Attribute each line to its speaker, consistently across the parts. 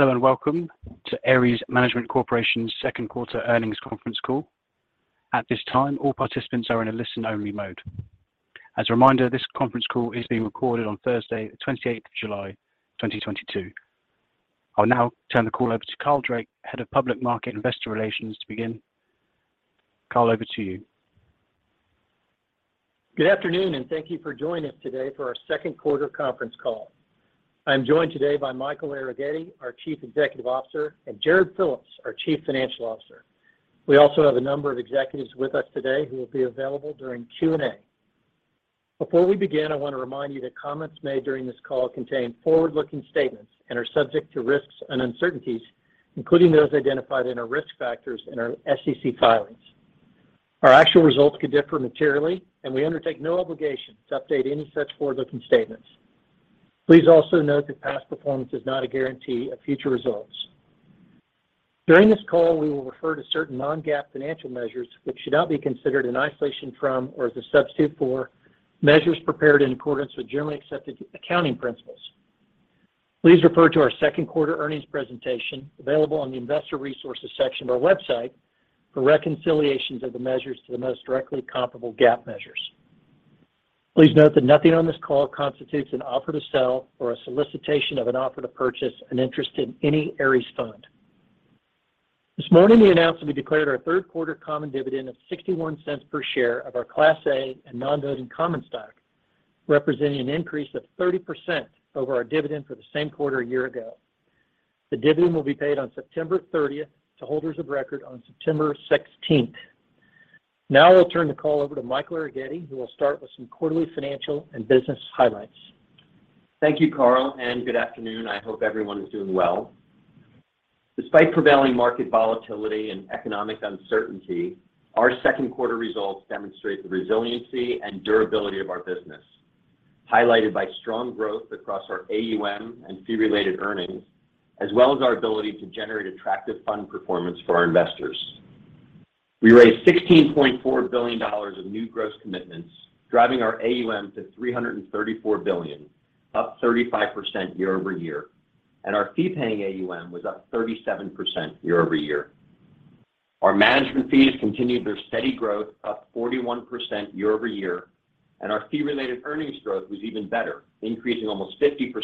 Speaker 1: Hello, and welcome to Ares Management Corporation's Q2 earnings conference call. At this time, all participants are in a listen-only mode. As a reminder, this conference call is being recorded on Thursday, the twenty-eighth of July, twenty twenty-two. I'll now turn the call over to Carl Drake, Head of Public Markets Investor Relations, to begin. Carl, over to you.
Speaker 2: Good afternoon, and thank you for joining us today for our Q2 conference call. I am joined today by Michael Arougheti, our Chief Executive Officer, and Jarrod Phillips, our Chief Financial Officer. We also have a number of executives with us today who will be available during Q&A. Before we begin, I wanna remind you that comments made during this call contain forward-looking statements and are subject to risks and uncertainties, including those identified in our risk factors in our SEC filings. Our actual results could differ materially, and we undertake no obligation to update any such forward-looking statements. Please also note that past performance is not a guarantee of future results. During this call, we will refer to certain non-GAAP financial measures, which should not be considered in isolation from or as a substitute for measures prepared in accordance with generally accepted accounting principles. Please refer to our Q2 earnings presentation available on the Investor Resources section of our website for reconciliations of the measures to the most directly comparable GAAP measures. Please note that nothing on this call constitutes an offer to sell or a solicitation of an offer to purchase an interest in any Ares fund. This morning, we announced that we declared our third quarter common dividend of $0.61 per share of our Class A and non-voting common stock, representing an increase of 30% over our dividend for the same quarter a year ago. The dividend will be paid on September 30 to holders of record on September 16. Now I'll turn the call over to Michael Arougheti, who will start with some quarterly financial and business highlights.
Speaker 3: Thank you, Carl, and good afternoon. I hope everyone is doing well. Despite prevailing market volatility, and economic uncertainty, our Q2 results demonstrate the resiliency and durability of our business, highlighted by strong growth across our AUM and fee-related earnings, as well as our ability to generate attractive fund performance for our investors. We raised $16.4 billion of new gross commitments, driving our AUM to $334 billion, up 35% year-over-year, and our fee-paying AUM was up 37% year-over-year. Our management fees continued their steady growth, up 41% year-over-year, and our fee-related earnings growth was even better, increasing almost 50%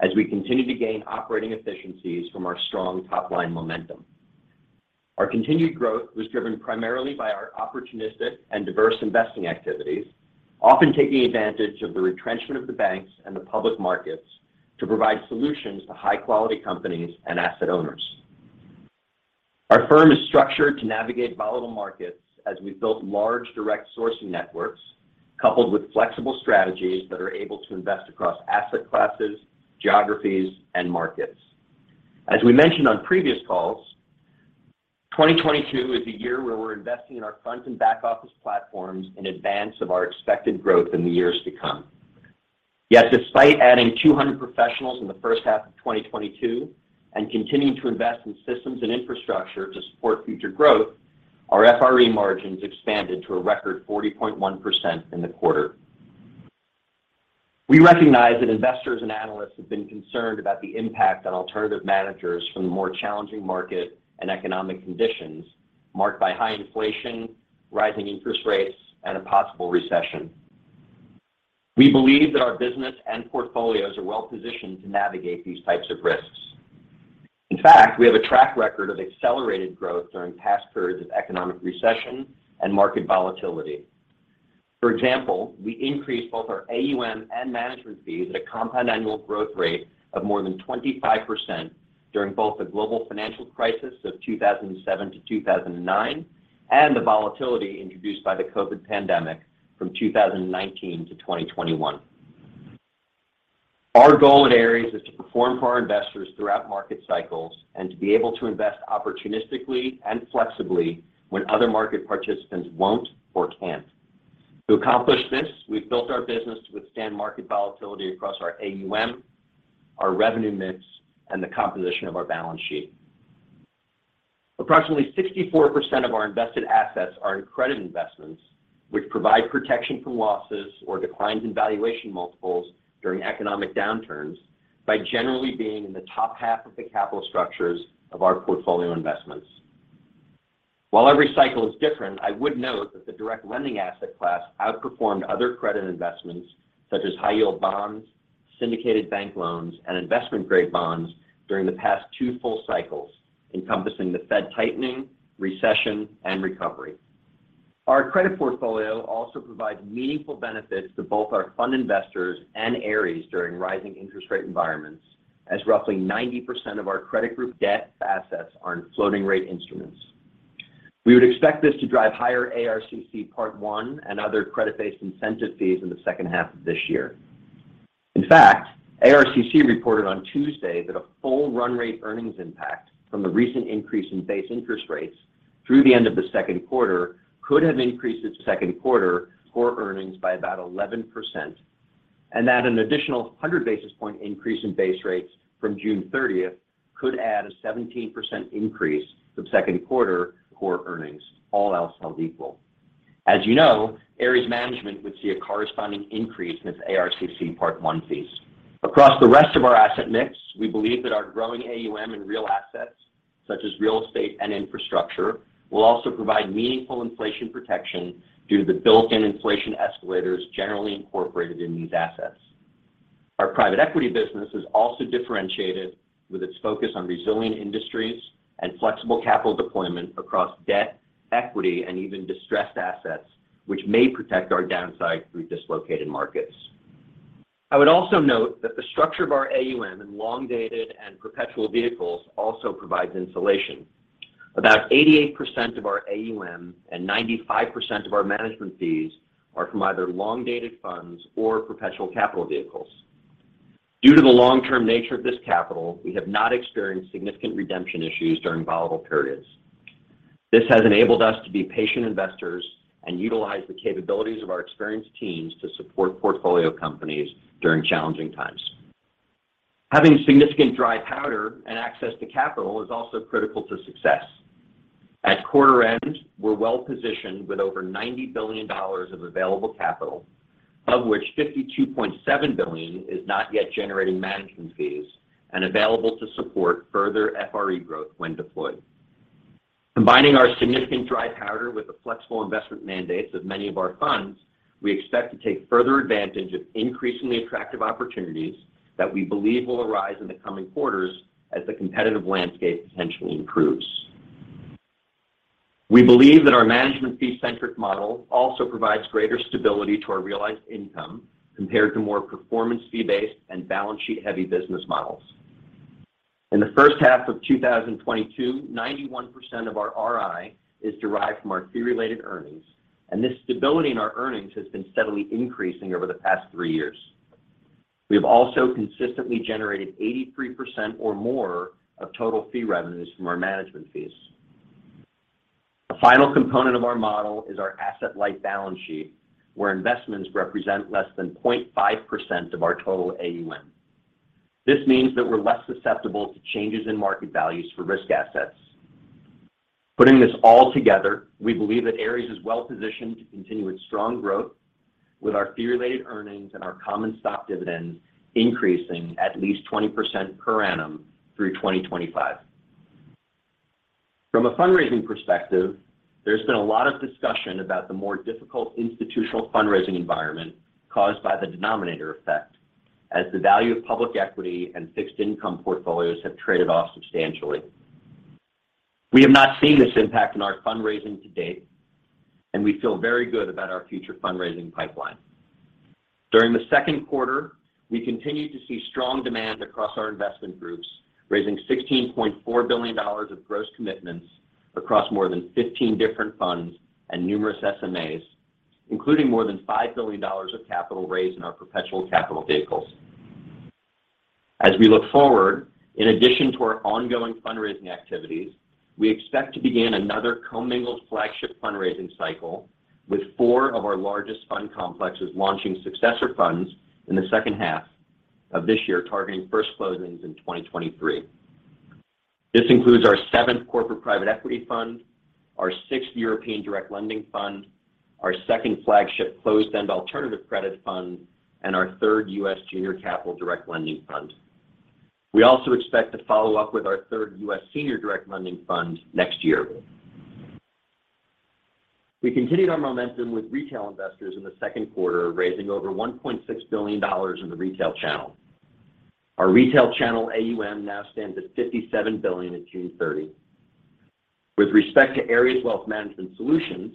Speaker 3: as we continue to gain operating efficiencies from our strong top-line momentum. Our continued growth was driven primarily by our opportunistic, and diverse investing activities, often taking advantage of the retrenchment of the banks and the public markets to provide solutions to high quality companies, and asset owners. Our firm is structured to navigate volatile markets as we've built large direct sourcing networks coupled with flexible strategies that are able to invest across asset classes, geographies, and markets. As we mentioned on previous calls, 2022 is the year where we're investing in our front, and back office platforms in advance of our expected growth in the years to come. Yet despite adding 200 professionals in the first half of 2022 and continuing to invest in systems and infrastructure to support future growth, our FRE margins expanded to a record 40.1% in the quarter. We recognize that investors and analysts have been concerned about the impact on alternative managers from the more challenging market and economic conditions marked by high inflation, rising interest rates, and a possible recession. We believe that our business and portfolios are well positioned to navigate these types of risks. In fact, we have a track record of accelerated growth during past periods of economic recession and market volatility. For example, we increased both our AUM and management fees at a compound annual growth rate of more than 25% during both the global financial crisis of 2007-2009, and the volatility introduced by the COVID pandemic from 2019-2021. Our goal at Ares is to perform for our investors throughout market cycles, and to be able to invest opportunistically and flexibly when other market participants won't or can't. To accomplish this, we've built our business to withstand market volatility across our AUM, our revenue mix, and the composition of our balance sheet. Approximately 64% of our invested assets are in credit investments, which provide protection from losses or declines in valuation multiples during economic downturns by generally being in the top half of the capital structures of our portfolio investments. While every cycle is different, I would note that the direct lending asset class outperformed other credit investments such as high yield bonds, syndicated bank loans, and investment grade bonds during the past two full cycles, encompassing the Fed tightening, recession, and recovery. Our credit portfolio also provides meaningful benefits to both our fund investors and Ares during rising interest rate environments, as roughly 90% of our credit group debt assets are in floating rate instruments. We would expect this to drive higher ARCC Part One and other credit-based incentive fees in the second half of this year. In fact, ARCC reported on Tuesday that a full run rate earnings impact from the recent increase in base interest rates through the end of the Q2 could have increased its Q2 core earnings by about 11%, and that an additional 100 basis point increase in base rates from June 30 could add a 17% increase to Q2 core earnings, all else held equal. As you know, Ares Management would see a corresponding increase in its ARCC Part One fees. Across the rest of our asset mix, we believe that our growing AUM in real assets, such as real estate and infrastructure, will also provide meaningful inflation protection due to the built-in inflation escalators generally incorporated in these assets. Our private equity business is also differentiated with its focus on resilient industries and flexible capital deployment across debt, equity, and even distressed assets, which may protect our downside through dislocated markets. I would also note that the structure of our AUM in long-dated and perpetual vehicles also provides insulation. About 88% of our AUM and 95% of our management fees are from either long-dated funds or perpetual capital vehicles. Due to the long-term nature of this capital, we have not experienced significant redemption issues during volatile periods. This has enabled us to be patient investors and utilize the capabilities of our experienced teams to support portfolio companies during challenging times. Having significant dry powder and access to capital is also critical to success. At quarter end, we're well positioned with over $90 billion of available capital, of which $52.7 billion is not yet generating management fees and available to support further FRE growth when deployed. Combining our significant dry powder with the flexible investment mandates of many of our funds, we expect to take further advantage of increasingly attractive opportunities that we believe will arise in the coming quarters as the competitive landscape potentially improves. We believe that our management fee-centric model also provides greater stability to our realized income compared to more performance fee-based and balance sheet-heavy business models. In the first half of 2022, 91% of our RI is derived from our fee-related earnings, and this stability in our earnings has been steadily increasing over the past three years. We have also consistently generated 83% or more of total fee revenues from our management fees. The final component of our model is our asset-light balance sheet, where investments represent less than 0.5% of our total AUM. This means that we're less susceptible to changes in market values for risk assets. Putting this all together, we believe that Ares is well positioned to continue its strong growth with our fee-related earnings and our common stock dividend increasing at least 20% per annum through 2025. From a fundraising perspective, there has been a lot of discussion about the more difficult institutional fundraising environment caused by the denominator effect as the value of public equity and fixed income portfolios have traded off substantially. We have not seen this impact in our fundraising to date, and we feel very good about our future fundraising pipeline. During the Q2, we continued to see strong demand across our investment groups, raising $16.4 billion of gross commitments across more than 15 different funds and numerous SMAs, including more than $5 billion of capital raised in our perpetual capital vehicles. As we look forward, in addition to our ongoing fundraising activities, we expect to begin another commingled flagship fundraising cycle with four of our largest fund complexes launching successor funds in the second half of this year, targeting first closings in 2023. This includes our 7th corporate private equity fund, our 6th European direct lending fund, our 2nd flagship closed-end alternative credit fund, and our 3rd U.S. junior capital direct lending fund. We also expect to follow up with our 3rd U.S. senior direct lending fund next year. We continued our momentum with retail investors in the Q2, raising over $1.6 billion in the retail channel. Our retail channel AUM now stands at $57 billion at June 30. With respect to Ares Wealth Management Solutions,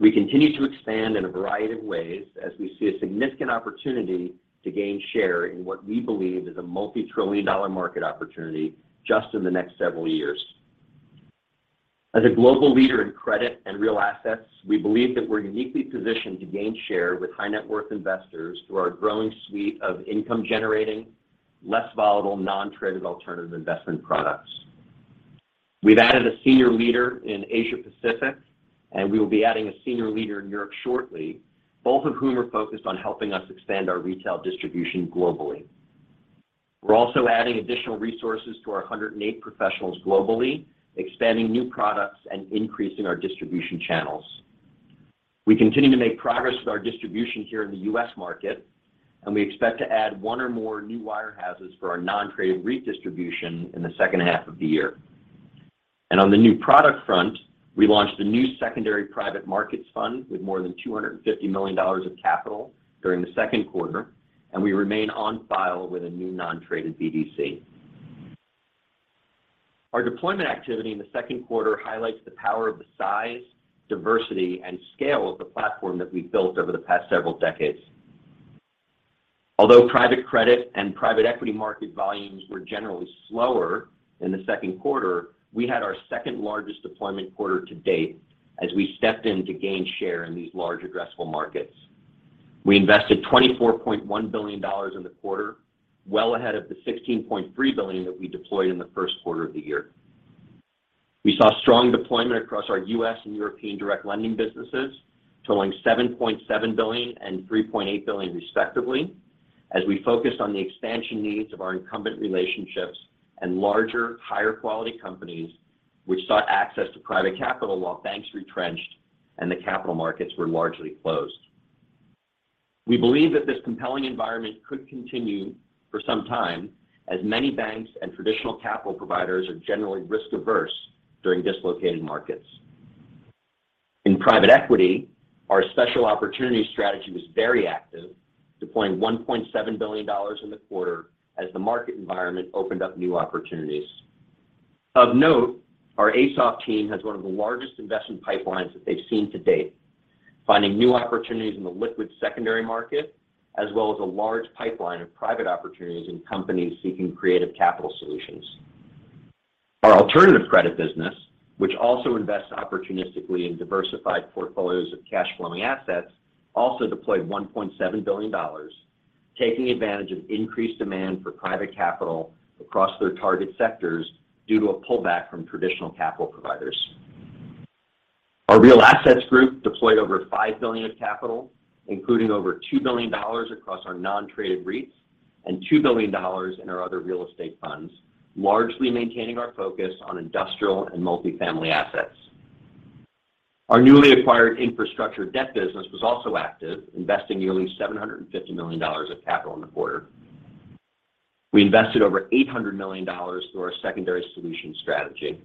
Speaker 3: we continue to expand in a variety of ways as we see a significant opportunity to gain share in what we believe is a multi-trillion-dollar market opportunity just in the next several years. As a global leader in credit and real assets, we believe that we're uniquely positioned to gain share with high net worth investors through our growing suite of income-generating, less volatile, non-traded alternative investment products. We've added a senior leader in Asia Pacific, and we will be adding a senior leader in Europe shortly, both of whom are focused on helping us expand our retail distribution globally. We're also adding additional resources to our 108 professionals globally, expanding new products, and increasing our distribution channels. We continue to make progress with our distribution here in the U.S. market, and we expect to add one or more new wirehouses for our non-traded REIT distribution in the second half of the year. On the new product front, we launched a new secondary private markets fund with more than $250 million of capital during the Q2, and we remain on file with a new non-traded BDC. Our deployment activity in the Q2 highlights the power of the size, diversity, and scale of the platform that we've built over the past several decades. Although private credit and private equity market volumes were generally slower in the Q2, we had our second largest deployment quarter to date as we stepped in to gain share in these large addressable markets. We invested $24.1 billion in the quarter, well ahead of the $16.3 billion that we deployed in the Q1 of the year. We saw strong deployment across our U.S. and European direct lending businesses, totaling $7.7 billion and $3.8 billion respectively. As we focused on the expansion needs of our incumbent relationships and larger, higher quality companies which sought access to private capital while banks retrenched and the capital markets were largely closed. We believe that this compelling environment could continue for some time as many banks and traditional capital providers are generally risk-averse during dislocated markets. In private equity, our special opportunity strategy was very active, deploying $1.7 billion in the quarter as the market environment opened up new opportunities. Of note, our ASOF team has one of the largest investment pipelines that they've seen to date, finding new opportunities in the liquid secondary market, as well as a large pipeline of private opportunities and companies seeking creative capital solutions. Our alternative credit business, which also invests opportunistically in diversified portfolios of cash-flowing assets, also deployed $1.7 billion, taking advantage of increased demand for private capital across their target sectors due to a pullback from traditional capital providers. Our real assets group deployed over $5 billion of capital, including over $2 billion across our non-traded REITs and $2 billion in our other real estate funds, largely maintaining our focus on industrial and multi-family assets. Our newly acquired infrastructure debt business was also active, investing nearly $750 million of capital in the quarter. We invested over $800 million through our secondary solutions strategy.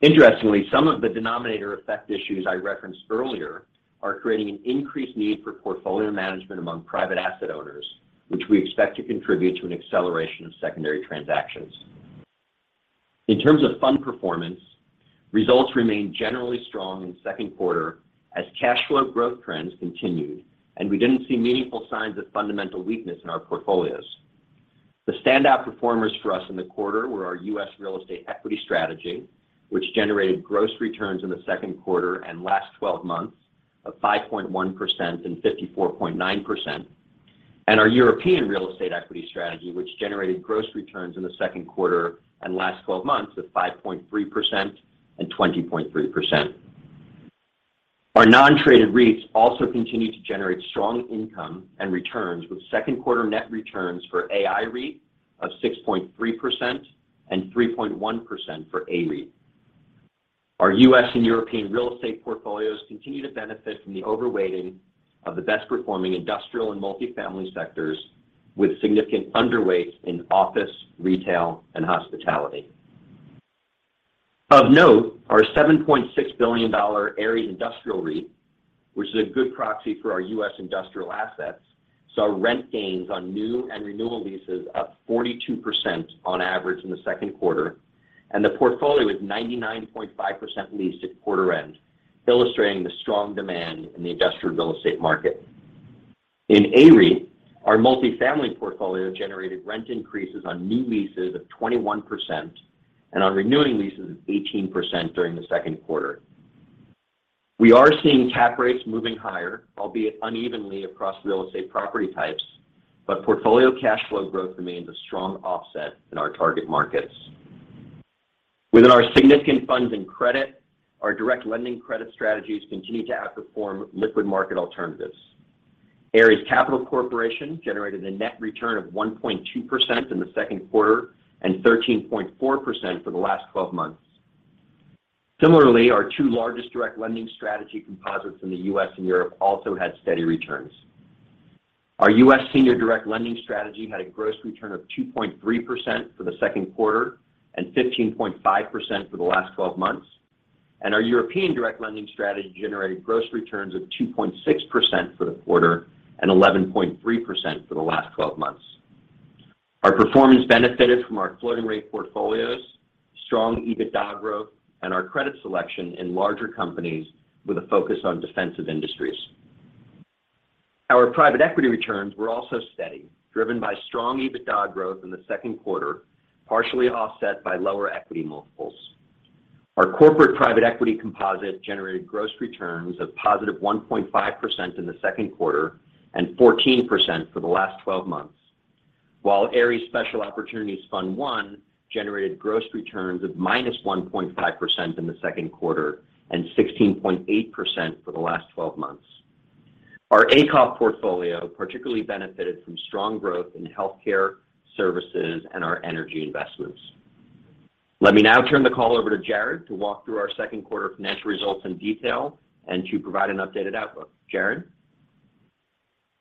Speaker 3: Interestingly, some of the denominator effect issues I referenced earlier are creating an increased need for portfolio management among private asset owners, which we expect to contribute to an acceleration of secondary transactions. In terms of fund performance, results remained generally strong in the Q2 as cash flow growth trends continued, and we didn't see meaningful signs of fundamental weakness in our portfolios. The standout performers for us in the quarter were our U.S. real estate equity strategy, which generated gross returns in the Q2 and last twelve months of 5.1% and 54.9%, and our European real estate equity strategy, which generated gross returns in the Q2 and last twelve months of 5.3% and 20.3%. Our non-traded REITs also continued to generate strong income and returns, with second-quarter net returns for AI REIT of 6.3% and 3.1% for A REIT. Our U.S. and European real estate portfolios continue to benefit from the overweighting of the best-performing industrial and multifamily sectors with significant underweights in office, retail, and hospitality. Of note, our $7.6 billion Ares Industrial REIT, which is a good proxy for our U.S. industrial assets, saw rent gains on new and renewal leases up 42% on average in the Q2, and the portfolio was 99.5% leased at quarter end, illustrating the strong demand in the industrial real estate market. In Ares REIT, our multifamily portfolio generated rent increases on new leases of 21% and on renewing leases of 18% during the Q2. We are seeing cap rates moving higher, albeit unevenly across real estate property types, but portfolio cash flow growth remains a strong offset in our target markets. Within our significant funds and credit, our direct lending credit strategies continue to outperform liquid market alternatives. Ares Capital Corporation generated a net return of 1.2% in the Q2 and 13.4% for the last twelve months. Similarly, our two largest direct lending strategy composites in the U.S. and Europe also had steady returns. Our U.S. senior direct lending strategy had a gross return of 2.3% for the Q2 and 15.5% for the last twelve months. Our European direct lending strategy generated gross returns of 2.6% for the quarter and 11.3% for the last twelve months. Our performance benefited from our floating-rate portfolios, strong EBITDA growth, and our credit selection in larger companies with a focus on defensive industries. Our private equity returns were also steady, driven by strong EBITDA growth in the Q2, partially offset by lower equity multiples. Our corporate private equity composite generated gross returns of +1.5% in the Q2 and 14% for the last twelve months, while Ares Special Opportunities Fund one generated gross returns of -1.5% in the Q2 and 16.8% for the last twelve months. Our ACOF portfolio particularly benefited from strong growth in healthcare services and our energy investments. Let me now turn the call over to Jarrod to walk through our Q2 financial results in detail and to provide an updated outlook. Jarrod?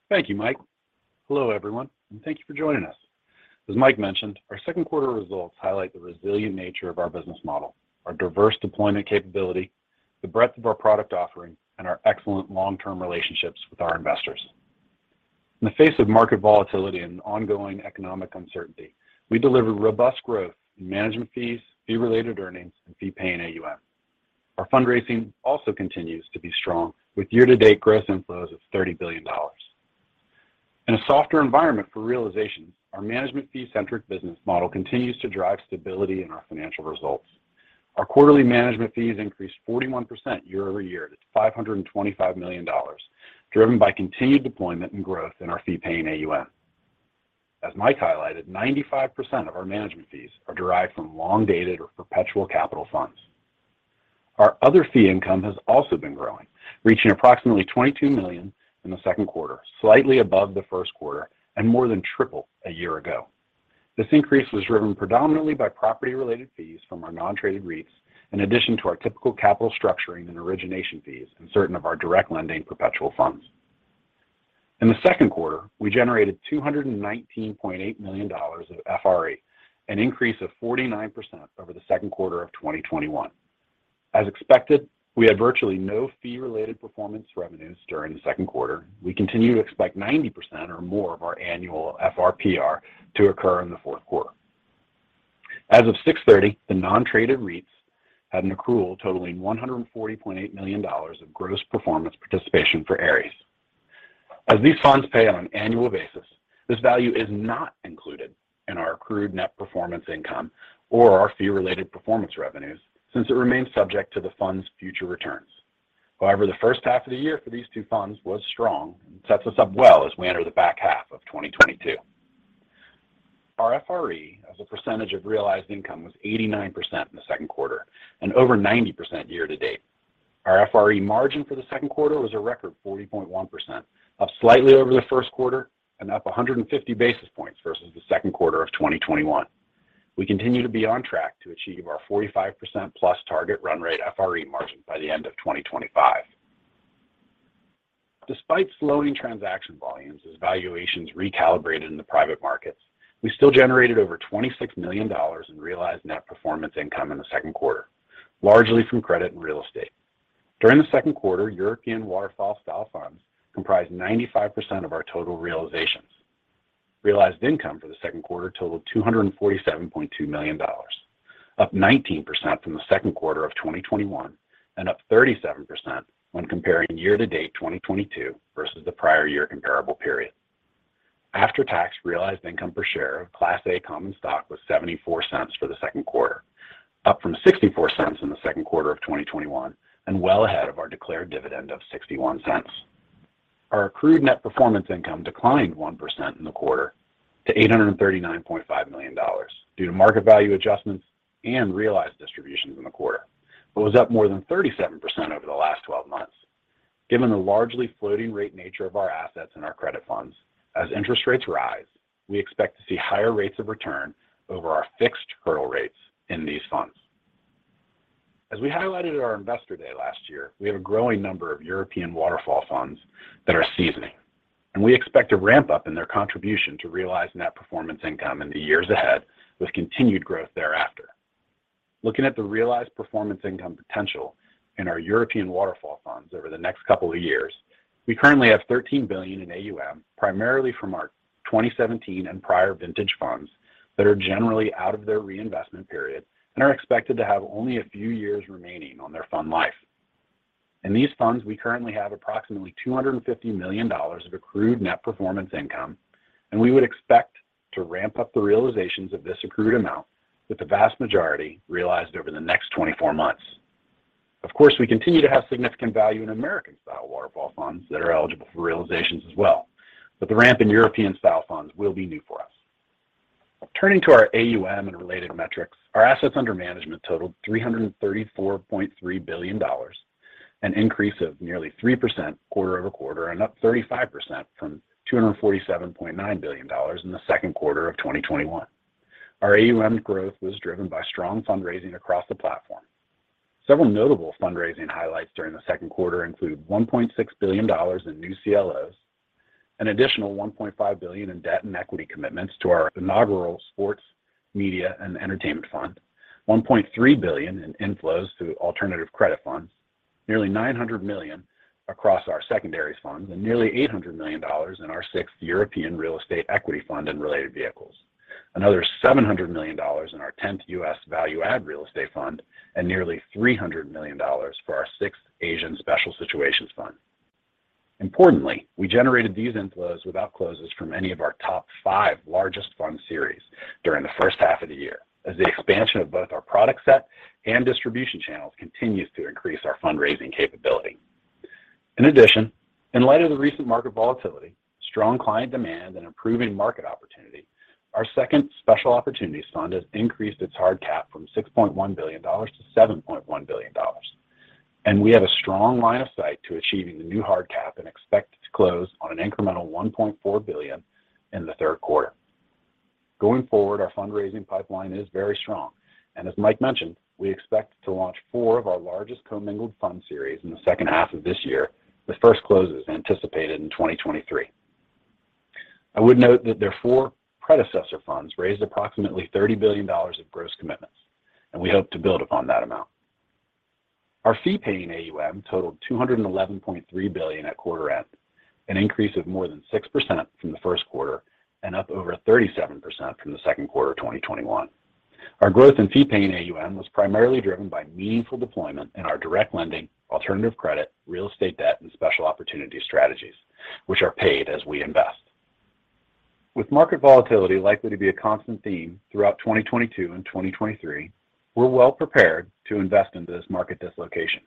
Speaker 4: Thank you, Mike. Hello, everyone, and thank you for joining us. As Mike mentioned, our Q2 results highlight the resilient nature of our business model, our diverse deployment capability, the breadth of our product offering, and our excellent long-term relationships with our investors. In the face of market volatility and ongoing economic uncertainty, we delivered robust growth in management fees, fee-related earnings, and fee-paying AUM. Our fundraising also continues to be strong with year-to-date gross inflows of $30 billion. In a softer environment for realization, our management fee-centric business model continues to drive stability in our financial results. Our quarterly management fees increased 41% year-over-year to $525 million, driven by continued deployment and growth in our fee-paying AUM. As Mike highlighted, 95% of our management fees are derived from long-dated or perpetual capital funds. Our other fee income has also been growing, reaching approximately $22 million in the Q2, slightly above the first quarter and more than triple a year ago. This increase was driven predominantly by property-related fees from our non-traded REITs, in addition to our typical capital structuring and origination fees in certain of our direct lending perpetual funds. In the Q2, we generated $219.8 million of FRE, an increase of 49% over the Q2 of 2021. As expected, we had virtually no fee-related performance revenues during the Q2. We continue to expect 90% or more of our annual FRPR to occur in the fourth quarter. As of June 30, the non-traded REITs had an accrual totaling $140.8 million of gross performance participation for Ares. As these funds pay on an annual basis, this value is not included in our accrued net performance income or our fee-related performance revenues since it remains subject to the fund's future returns. However, the first half of the year for these two funds was strong and sets us up well as we enter the back half of 2022. Our FRE as a percentage of realized income was 89% in the Q2 and over 90% year to date. Our FRE margin for the Q2 was a record 40.1%, up slightly over the Q1 and up 150 basis points versus the Q2 of 2021. We continue to be on track to achieve our 45%+ target run rate FRE margin by the end of 2025. Despite slowing transaction volumes as valuations recalibrated in the private markets, we still generated over $26 million in realized net performance income in the Q2, largely from credit and real estate. During the Q2, European waterfall style funds comprised 95% of our total realizations. Realized income for the Q2 totaled $247.2 million, up 19% from the Q2 of 2021, and up 37% when comparing year to date 2022 versus the prior year comparable period. After-tax realized income per share of Class A common stock was $0.74 for the Q2 up from $0.64 in the Q2 of 2021, and well ahead of our declared dividend of $0.61. Our accrued net performance income declined 1% in the quarter to $839.5 million due to market value adjustments and realized distributions in the quarter. Was up more than 37% over the last 12 months. Given the largely floating rate nature of our assets and our credit funds, as interest rates rise, we expect to see higher rates of return over our fixed hurdle rates in these funds. As we highlighted at our Investor Day last year, we have a growing number of European waterfall funds that are seasoning, and we expect a ramp up in their contribution to realized net performance income in the years ahead with continued growth thereafter. Looking at the realized performance income potential in our European waterfall funds over the next couple of years, we currently have $13 billion in AUM, primarily from our 2017 and prior vintage funds that are generally out of their reinvestment period and are expected to have only a few years remaining on their fund life. In these funds, we currently have approximately $250 million of accrued net performance income, and we would expect to ramp up the realizations of this accrued amount, with the vast majority realized over the next 24 months. Of course, we continue to have significant value in American-style waterfall funds that are eligible for realizations as well, but the ramp in European-style funds will be new for us. Turning to our AUM and related metrics, our assets under management totaled $334.3 billion, an increase of nearly 3% quarter-over-quarter and up 35% from $247.9 billion in the Q2 of 2021. Our AUM growth was driven by strong fundraising across the platform. Several notable fundraising highlights during the Q2 include $1.6 billion in new CLOs, an additional $1.5 billion in debt and equity commitments to our inaugural sports media and entertainment fund, $1.3 billion in inflows through alternative credit funds, nearly $900 million across our secondaries funds, and nearly $800 million in our sixth European Real Estate Equity Fund and related vehicles. Another $700 million in our tenth U.S. Value-Add Real Estate Fund, and nearly $300 million for our sixth Asian Special Situations Fund. Importantly, we generated these inflows without closes from any of our top five largest fund series during the first half of the year, as the expansion of both our product set and distribution channels continues to increase our fundraising capability. In addition, in light of the recent market volatility, strong client demand, and improving market opportunity, our second Special Opportunities Fund has increased its hard cap from $6.1 billion to $7.1 billion. We have a strong line of sight to achieving the new hard cap and expect to close on an incremental $1.4 billion in the third quarter. Going forward, our fundraising pipeline is very strong, and as Mike mentioned, we expect to launch four of our largest commingled fund series in the second half of this year, with first closes anticipated in 2023. I would note that their four predecessor funds raised approximately $30 billion of gross commitments, and we hope to build upon that amount. Our fee-paying AUM totaled $211.3 billion at quarter end, an increase of more than 6% from the first quarter and up over 37% from the Q2 of 2021. Our growth in fee-paying AUM was primarily driven by meaningful deployment in our direct lending, alternative credit, real estate debt, and special opportunity strategies, which are paid as we invest. With market volatility likely to be a constant theme throughout 2022 and 2023, we are well prepared to invest into this market dislocation.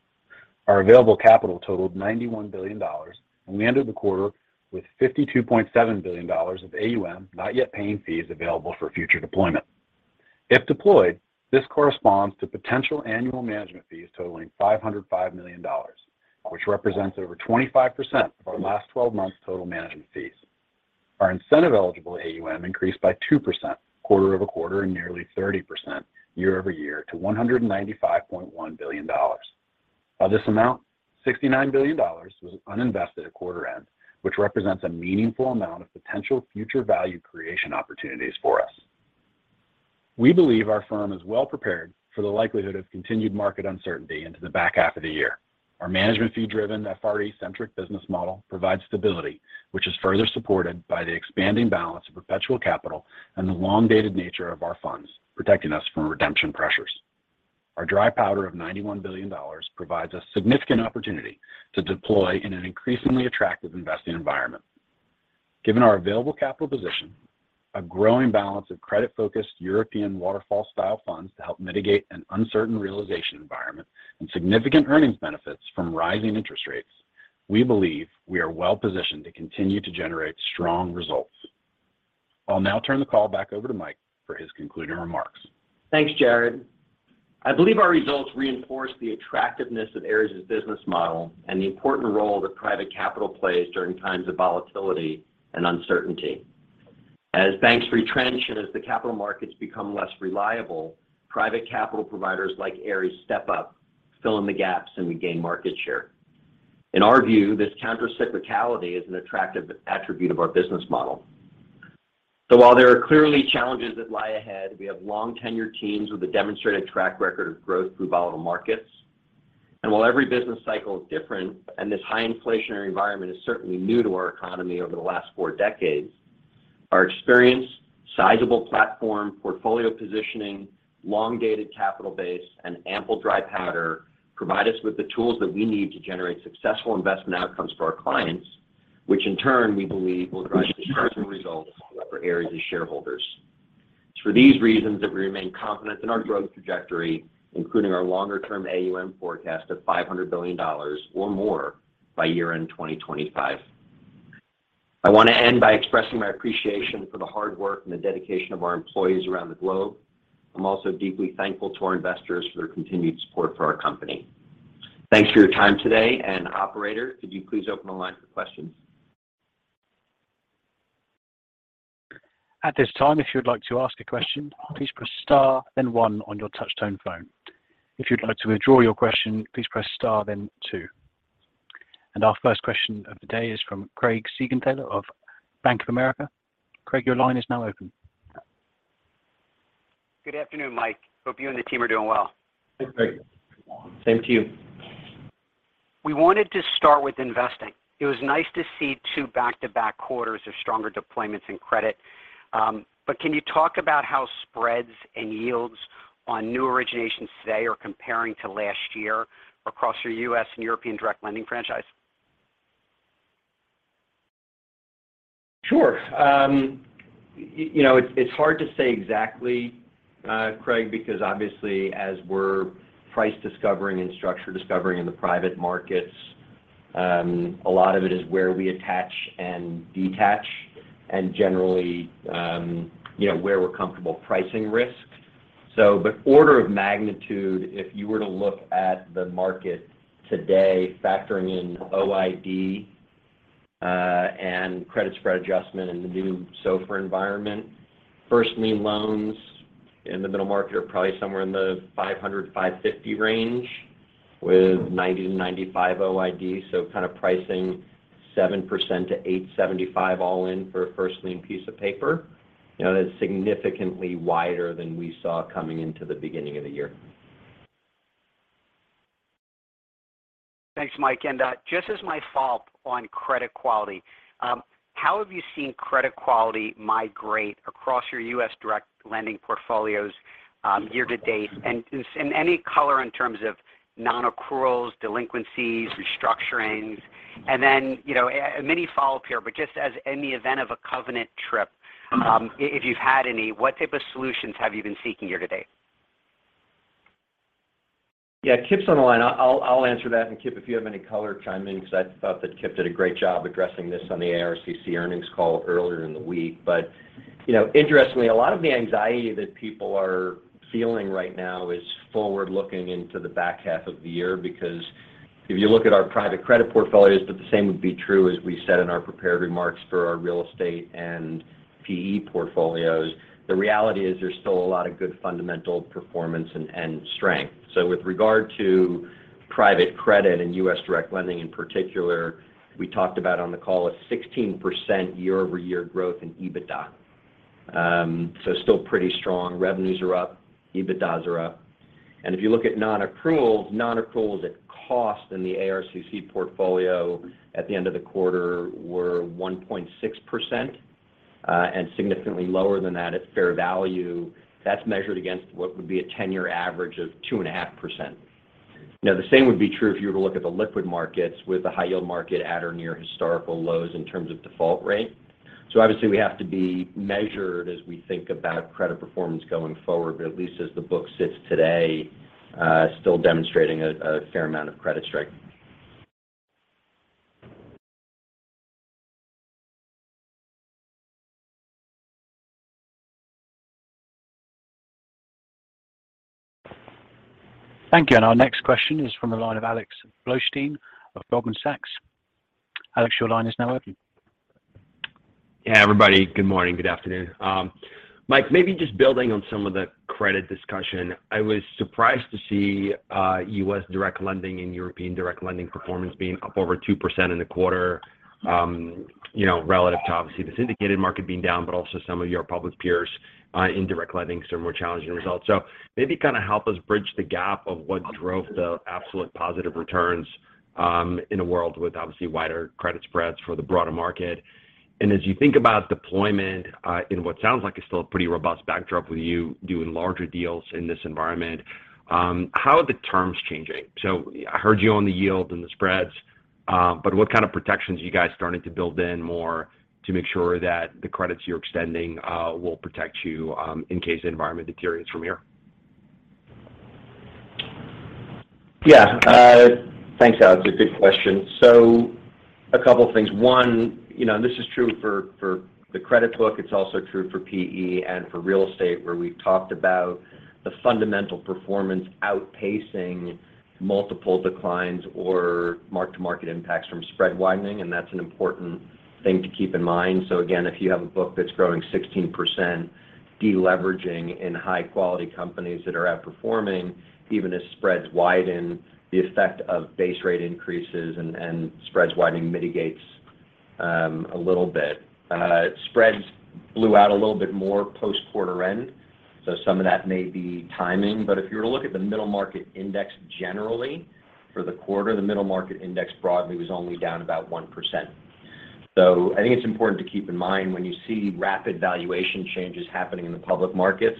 Speaker 4: Our available capital totaled $91 billion, and we ended the quarter with $52.7 billion of AUM, not yet paying fees available for future deployment. If deployed, this corresponds to potential annual management fees totaling $505 million, which represents over 25% of our last twelve months total management fees. Our incentive eligible AUM increased by 2% quarter-over-quarter, and nearly 30% year-over-year to $195.1 billion. Of this amount, $69 billion was uninvested at quarter end, which represents a meaningful amount of potential future value creation opportunities for us. We believe our firm is well prepared for the likelihood of continued market uncertainty into the back half of the year. Our management fee driven, FRE-centric business model provides stability, which is further supported by the expanding balance of perpetual capital and the long-dated nature of our funds, protecting us from redemption pressures. Our dry powder of $91 billion provides us significant opportunity to deploy in an increasingly attractive investing environment. Given our available capital position, a growing balance of credit focused European waterfall style funds to help mitigate an uncertain realization environment, and significant earnings benefits from rising interest rates, we believe we are well positioned to continue to generate strong results. I'll now turn the call back over to Mike for his concluding remarks.
Speaker 3: Thanks, Jarrod. I believe our results reinforce the attractiveness of Ares' business model and the important role that private capital plays during times of volatility and uncertainty. As banks retrench, and as the capital markets become less reliable, private capital providers like Ares step up, fill in the gaps, and we gain market share. In our view, this countercyclicality is an attractive attribute of our business model. While there are clearly challenges that lie ahead, we have long tenured teams with a demonstrated track record of growth through volatile markets. While every business cycle is different, and this high inflationary environment is certainly new to our economy over the last four decades, our experience, sizable platform, portfolio positioning, long-dated capital base, and ample dry powder provide us with the tools that we need to generate successful investment outcomes for our clients, which in turn, we believe will drive return results for Ares' shareholders. It's for these reasons that we remain confident in our growth trajectory, including our longer-term AUM forecast of $500 billion or more by year-end 2025. I want to end by expressing my appreciation for the hard work, and the dedication of our employees around the globe. I'm also deeply thankful to our investors for their continued support for our company. Thanks for your time today, and operator, could you please open the line for questions?
Speaker 1: At this time, if you would like to ask a question, please press star, then one on your touch tone phone. If you'd like to withdraw your question, please press star then two. Our first question of the day is from Craig Siegenthaler of Bank of America. Craig, your line is now open.
Speaker 5: Good afternoon, Mike. Hope you and the team are doing well.
Speaker 3: Hey, Craig. Same to you.
Speaker 5: We wanted to start with investing. It was nice to see two back-to-back quarters of stronger deployments in credit. Can you talk about how spreads and yields on new originations today are comparing to last year across your U.S. and European direct lending franchise?
Speaker 3: Sure. You know, it's hard to say exactly, Craig, because obviously as we're price discovering and structure discovering in the private markets, a lot of it is where we attach and detach and generally, you know, where we're comfortable pricing risks. Order of magnitude, if you were to look at the market today, factoring in OID, and credit spread adjustment in the new SOFR environment, first lien loans in the middle market are probably somewhere in the 500-550 range with 90-95 OID. Kind of pricing 7%-8.75% all in for a first lien piece of paper, you know, that's significantly wider than we saw coming into the beginning of the year.
Speaker 5: Thanks, Mike. Just as my follow-up on credit quality, how have you seen credit quality migrate across your U.S. direct lending portfolios, year to date? Any color in terms of non-accruals, delinquencies, restructurings. Then, you know, and many follow-up here, but just as in the event of a covenant trip, if you've had any, what type of solutions have you been seeking year to date?
Speaker 3: Yeah, Kip's on the line. I'll answer that. Kip, if you have any color, chime in, because I thought that Kip did a great job addressing this on the ARCC earnings call earlier in the week. You know, interestingly, a lot of the anxiety that people are feeling right now is forward-looking into the back half of the year. Because if you look at our private credit portfolios, but the same would be true as we said in our prepared remarks for our real estate and PE portfolios, the reality is there's still a lot of good fundamental performance and strength. With regard to private credit and U.S. direct lending in particular, we talked about on the call a 16% year-over-year growth in EBITDA. So still pretty strong. Revenues are up, EBITDAs are up. If you look at non-accruals at cost in the ARCC portfolio at the end of the quarter were 1.6%, and significantly lower than that at fair value. That's measured against what would be a 10-year average of 2.5%. Now, the same would be true if you were to look at the liquid markets with the high yield market at or near historical lows in terms of default rate. So obviously we have to be measured as we think about credit performance going forward. At least as the book sits today, still demonstrating a fair amount of credit strength.
Speaker 1: Thank you. Our next question is from the line of Alex Blostein of Goldman Sachs. Alex, your line is now open.
Speaker 6: Yeah. Everybody, good morning, good afternoon. Mike, maybe just building on some of the credit discussion. I was surprised to see U.S. direct lending and European direct lending performance being up over 2% in the quarter, you know, relative to obviously the syndicated market being down, but also some of your public peers in direct lending, some more challenging results. Maybe kind of help us bridge the gap of what drove the absolute positive returns in a world with obviously wider credit spreads for the broader market. As you think about deployment in what sounds like it's still a pretty robust backdrop with you doing larger deals in this environment, how are the terms changing? I heard you on the yield and the spreads, but what kind of protections are you guys starting to build in more to make sure that the credits you're extending will protect you in case the environment deteriorates from here?
Speaker 3: Yeah. Thanks, Alex. A good question. A couple of things. One, you know, and this is true for the credit book, it's also true for PE and for real estate, where we've talked about the fundamental performance outpacing multiple declines or mark-to-market impacts from spread widening, and that's an important thing to keep in mind. Again, if you have a book that's growing 16%, de-leveraging in high quality companies that are outperforming, even as spreads widen, the effect of base rate increases, and spreads widening mitigates a little bit. Spreads blew out a little bit more post-quarter end, so some of that may be timing. If you were to look at the middle market index, generally for the quarter, the middle market index broadly was only down about 1%. I think it's important to keep in mind when you see rapid valuation changes happening in the public markets,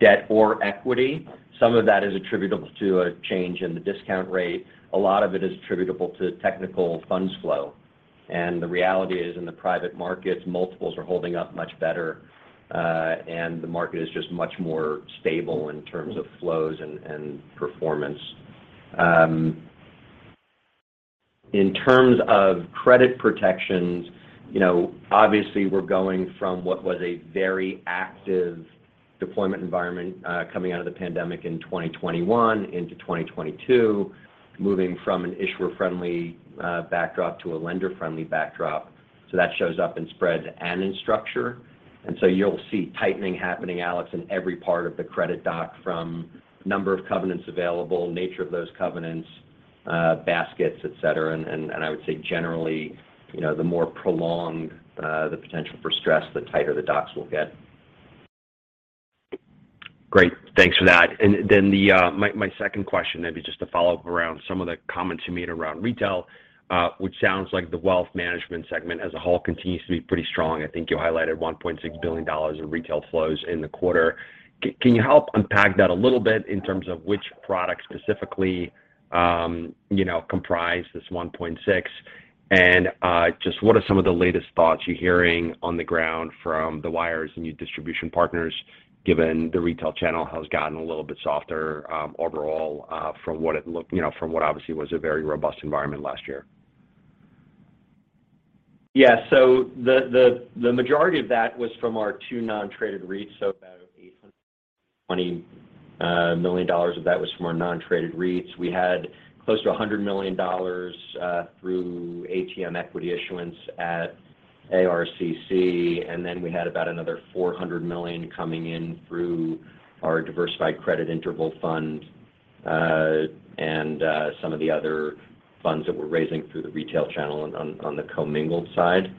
Speaker 3: debt or equity, some of that is attributable to a change in the discount rate. A lot of it is attributable to technical funds flow. The reality is, in the private markets, multiples are holding up much better, and the market is just much more stable in terms of flows and performance. In terms of credit protections, you know, obviously we're going from what was a very active deployment environment, coming out of the pandemic in 2021 into 2022, moving from an issuer-friendly backdrop to a lender-friendly backdrop. That shows up in spreads, and in structure. You'll see tightening happening, Alex, in every part of the credit doc from number of covenants available, nature of those covenants, baskets, et cetera. I would say generally, you know, the more prolonged, the potential for stress, the tighter the docs will get.
Speaker 6: Great. Thanks for that. My second question maybe just to follow up around some of the comments you made around retail, which sounds like the wealth management segment as a whole continues to be pretty strong. I think you highlighted $1.6 billion in retail flows in the quarter. Can you help unpack that a little bit in terms of which products specifically, you know, comprise this $1.6 billion? Just what are some of the latest thoughts you're hearing on the ground from the wires and your distribution partners, given the retail channel has gotten a little bit softer overall, from what it looked, you know, from what obviously was a very robust environment last year?
Speaker 3: Yeah. The majority of that was from our two non-traded REITs, so about $820 million of that was from our non-traded REITs. We had close to $100 million through ATM equity issuance at ARCC, and then we had about another $400 million coming in through our diversified credit interval fund, and some of the other funds that we're raising through the retail channel on the commingled side.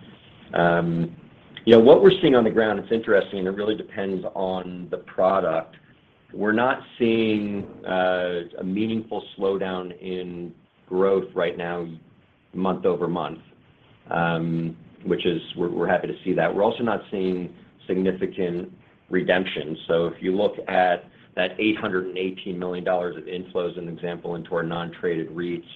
Speaker 3: You know, what we're seeing on the ground, it's interesting, and it really depends on the product. We're not seeing a meaningful slowdown in growth right now, month-over-month, which is we're happy to see that. We're also not seeing significant redemptions. If you look at that $818 million of inflows, as an example, into our non-traded REITs,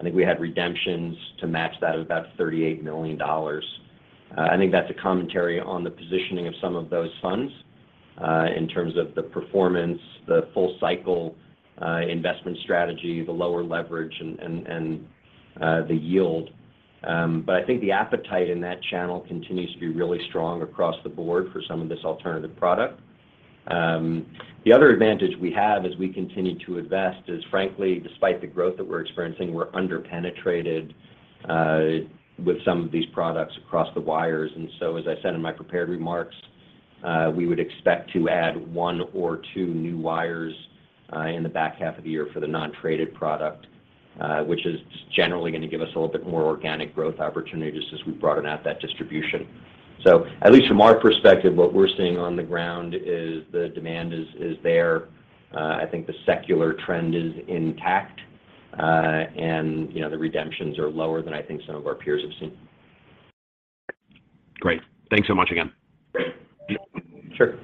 Speaker 3: I think we had redemptions to match that of about $38 million. I think that's a commentary on the positioning of some of those funds, in terms of the performance, the full cycle, investment strategy, the lower leverage and the yield. I think the appetite in that channel continues to be really strong across the board for some of this alternative product. The other advantage we have as we continue to invest is, frankly, despite the growth that we're experiencing, we're under-penetrated with some of these products across the wires. As I said in my prepared remarks, we would expect to add one or two new wires in the back half of the year for the non-traded product, which is generally gonna give us a little bit more organic growth opportunity just as we broaden out that distribution. At least from our perspective, what we're seeing on the ground is the demand is there. I think the secular trend is intact. You know, the redemptions are lower than I think some of our peers have seen.
Speaker 6: Great. Thanks so much again.
Speaker 1: Sure.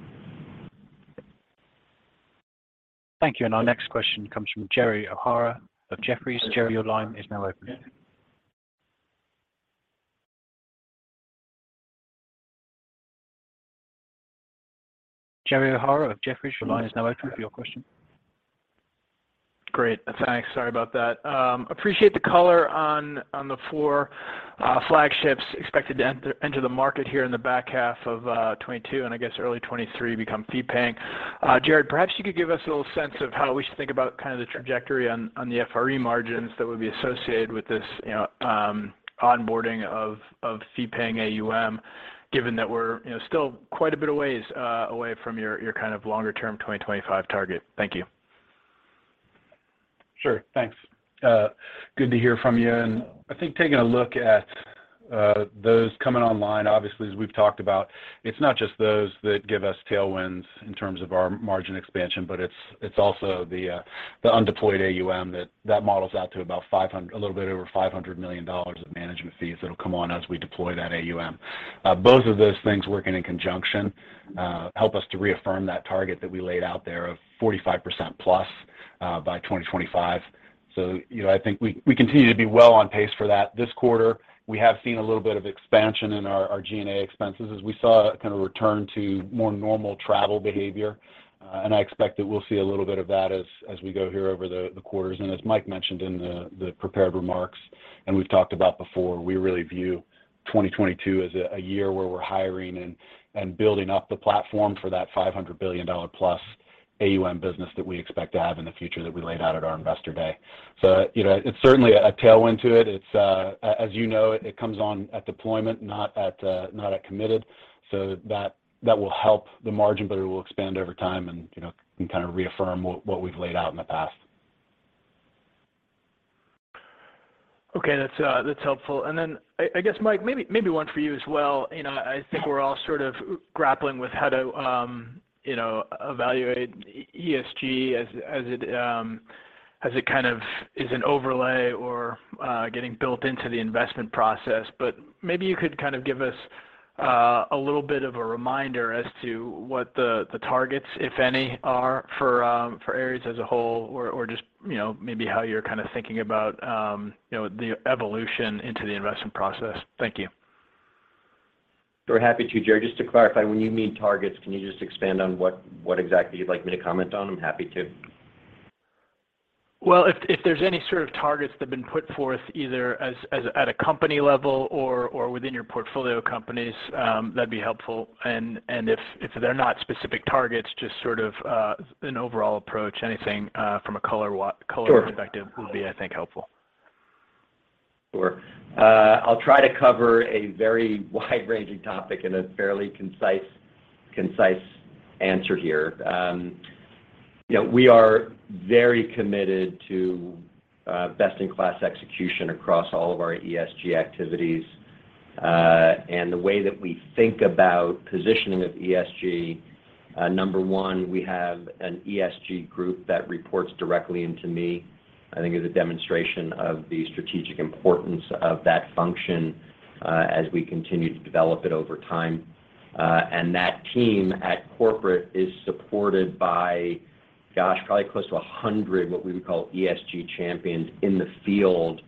Speaker 1: Thank you. Our next question comes from Gerald O'Hara of Jefferies. Jerry, your line is now open. Gerald O'Hara of Jefferies, your line is now open for your question.
Speaker 7: Great. Thanks. Sorry about that. Appreciate the color on the four flagships expected to enter the market here in the back half of 2022, and I guess early 2023 become fee-paying. Jarrod, perhaps you could give us a little sense of how we should think about kind of the trajectory on the FRE margins that would be associated with this, you know, onboarding of fee-paying AUM, given that we're, you know, still quite a bit of ways away from your kind of longer term 2025 target. Thank you.
Speaker 4: Sure. Thanks. Good to hear from you. I think taking a look at those coming online, obviously, as we've talked about, it's not just those that give us tailwinds in terms of our margin expansion, but it's also the undeployed AUM that models out to a little bit over $500 million of management fees that'll come on as we deploy that AUM. Both of those things working in conjunction help us to reaffirm that target that we laid out there of 45%+, by 2025. You know, I think we continue to be well on pace for that. This quarter, we have seen a little bit of expansion in our G&A expenses as we saw kind of return to more normal travel behavior. I expect that we'll see a little bit of that as we go here over the quarters. As Mike mentioned in the prepared remarks and we've talked about before, we really view 2022 as a year where we're hiring and building up the platform for that $500 billion-plus AUM business that we expect to have in the future that we laid out at our investor day. You know, it's certainly a tailwind to it. It's, as you know, it comes on at deployment, not at committed. That will help the margin, but it will expand over time and, you know, and kind of reaffirm what we've laid out in the past.
Speaker 7: Okay. That's helpful. Then I guess, Mike, maybe one for you as well. You know, I think we're all sort of grappling with how to you know, evaluate ESG as it kind of is an overlay or getting built into the investment process. But maybe you could kind of give us a little bit of a reminder as to what the targets, if any, are for Ares as a whole, or just you know, maybe how you're kind of thinking about the evolution into the investment process. Thank you.
Speaker 3: Sure. Happy to, Jerry. Just to clarify, when you mean targets, can you just expand on what exactly you'd like me to comment on? I'm happy to.
Speaker 7: Well, if there's any sort of targets that have been put forth, either as at a company level or within your portfolio companies, that'd be helpful. If they're not specific targets, just sort of an overall approach, anything from a color perspective.
Speaker 3: Sure.
Speaker 7: would be, I think, helpful.
Speaker 3: Sure. I'll try to cover a very wide-ranging topic in a fairly concise answer here. You know, we are very committed to best-in-class execution across all of our ESG activities. The way that we think about positioning of ESG, number one, we have an ESG group that reports directly into me, I think is a demonstration of the strategic importance of that function, as we continue to develop it over time. That team at corporate is supported by probably close to 100, what we would call ESG champions in the field,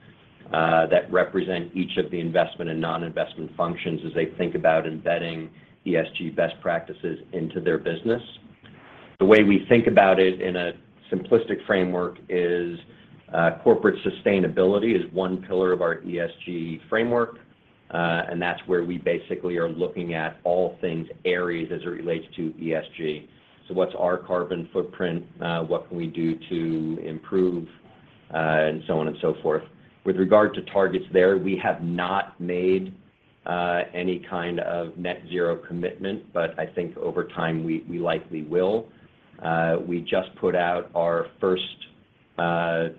Speaker 3: that represent each of the investment and non-investment functions as they think about embedding ESG best practices into their business. The way we think about it in a simplistic framework is, corporate sustainability is one pillar of our ESG framework, and that's where we basically are looking at all things Ares as it relates to ESG. What's our carbon footprint, what can we do to improve, and so on and so forth. With regard to targets there, we have not made, any kind of net zero commitment, but I think over time we likely will. We just put out our first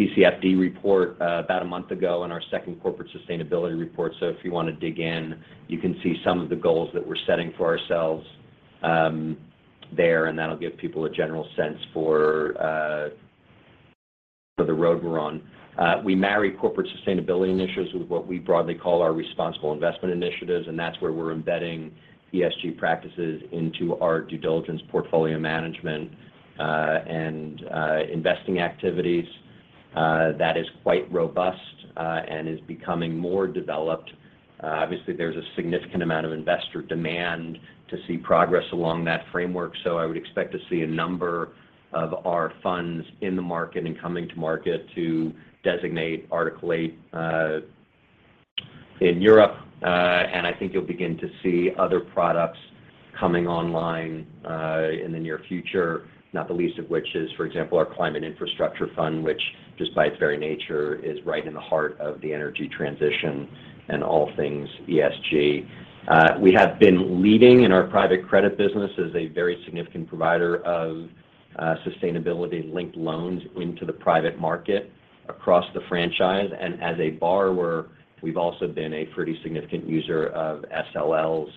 Speaker 3: TCFD report, about a month ago and our second corporate sustainability report. If you wanna dig in, you can see some of the goals that we're setting for ourselves, there, and that'll give people a general sense for the road we're on. We marry corporate sustainability initiatives with what we broadly call our responsible investment initiatives, and that's where we're embedding ESG practices into our due diligence portfolio management, and investing activities. That is quite robust, and is becoming more developed. Obviously there's a significant amount of investor demand to see progress along that framework. I would expect to see a number of our funds in the market and coming to market to designate Article 8 in Europe. I think you'll begin to see other products coming online in the near future, not the least of which is, for example, our climate infrastructure fund, which just by its very nature is right in the heart of the energy transition and all things ESG. We have been leading in our private credit business as a very significant provider of sustainability linked loans into the private market across the franchise. As a borrower, we've also been a pretty significant user of SLLs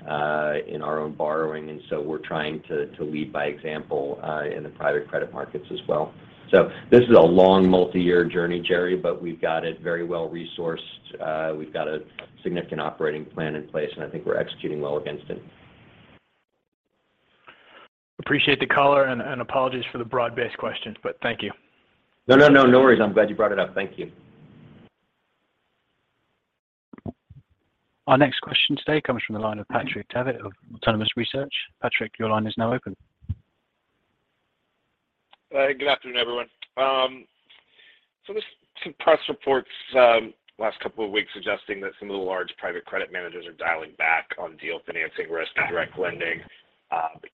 Speaker 3: in our own borrowing. We're trying to lead by example in the private credit markets as well. This is a long multi-year journey, Jerry, but we've got it very well resourced. We've got a significant operating plan in place, and I think we're executing well against it.
Speaker 7: Appreciate the color and apologies for the broad-based questions, but thank you.
Speaker 3: No worries. I'm glad you brought it up. Thank you.
Speaker 1: Our next question today comes from the line of Patrick Davitt of Autonomous Research. Patrick, your line is now open.
Speaker 8: Good afternoon, everyone. There's some press reports, last couple of weeks suggesting that some of the large private credit managers are dialing back on deal financing versus direct lending.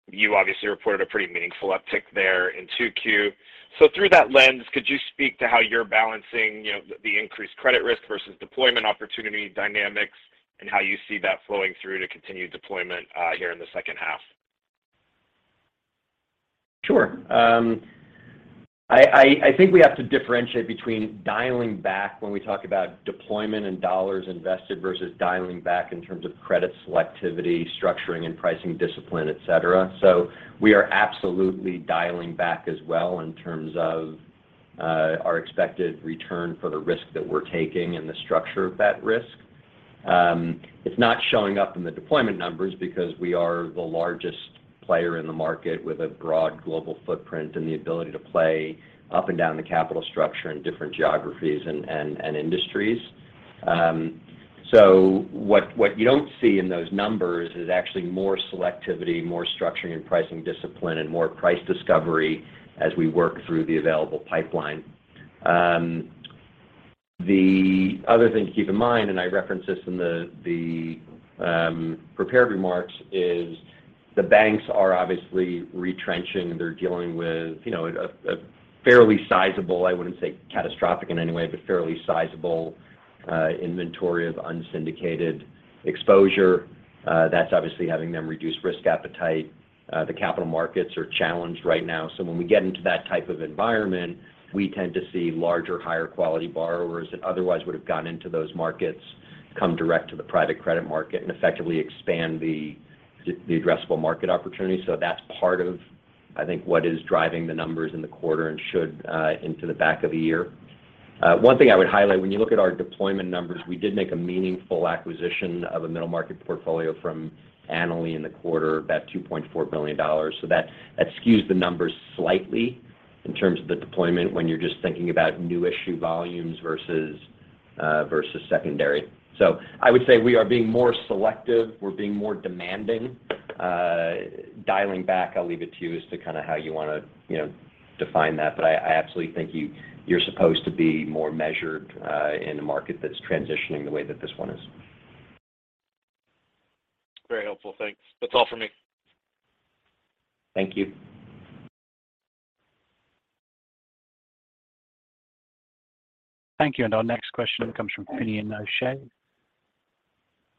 Speaker 8: You obviously reported a pretty meaningful uptick there in 2Q. Through that lens, could you speak to how you're balancing, you know, the increased credit risk versus deployment opportunity dynamics and how you see that flowing through to continued deployment, here in the 'H2?
Speaker 3: Sure. I think we have to differentiate between dialing back when we talk about deployment, and dollars invested versus dialing back in terms of credit selectivity, structuring and pricing discipline, et cetera. We are absolutely dialing back as well in terms of our expected return for the risk that we're taking and the structure of that risk. It's not showing up in the deployment numbers because we are the largest player in the market with a broad global footprint and the ability to play up and down the capital structure in different geographies and industries. What you don't see in those numbers is actually more selectivity, more structuring and pricing discipline, and more price discovery as we work through the available pipeline. The other thing to keep in mind, and I reference this in the prepared remarks, is the banks are obviously retrenching. They're dealing with, you know, a fairly sizable, I wouldn't say catastrophic in any way, but fairly sizable inventory of unsyndicated exposure. That's obviously having them reduce risk appetite. The capital markets are challenged right now. So when we get into that type of environment, we tend to see larger, higher quality borrowers that otherwise would have gone into those markets come direct to the private credit market and effectively expand the addressable market opportunity. So that's part of, I think, what is driving the numbers in the quarter and should into the back of the year. One thing I would highlight, when you look at our deployment numbers, we did make a meaningful acquisition of a middle market portfolio from Annaly in the quarter, about $2.4 billion. That skews the numbers slightly in terms of the deployment when you're just thinking about new issue volumes versus secondary. I would say we are being more selective. We're being more demanding. Dialing back, I'll leave it to you as to kind of how you wanna, you know, define that. I absolutely think you're supposed to be more measured in a market that's transitioning the way that this one is.
Speaker 8: Very helpful. Thanks. That's all for me.
Speaker 3: Thank you.
Speaker 1: Thank you. Our next question comes from Finian O'Shea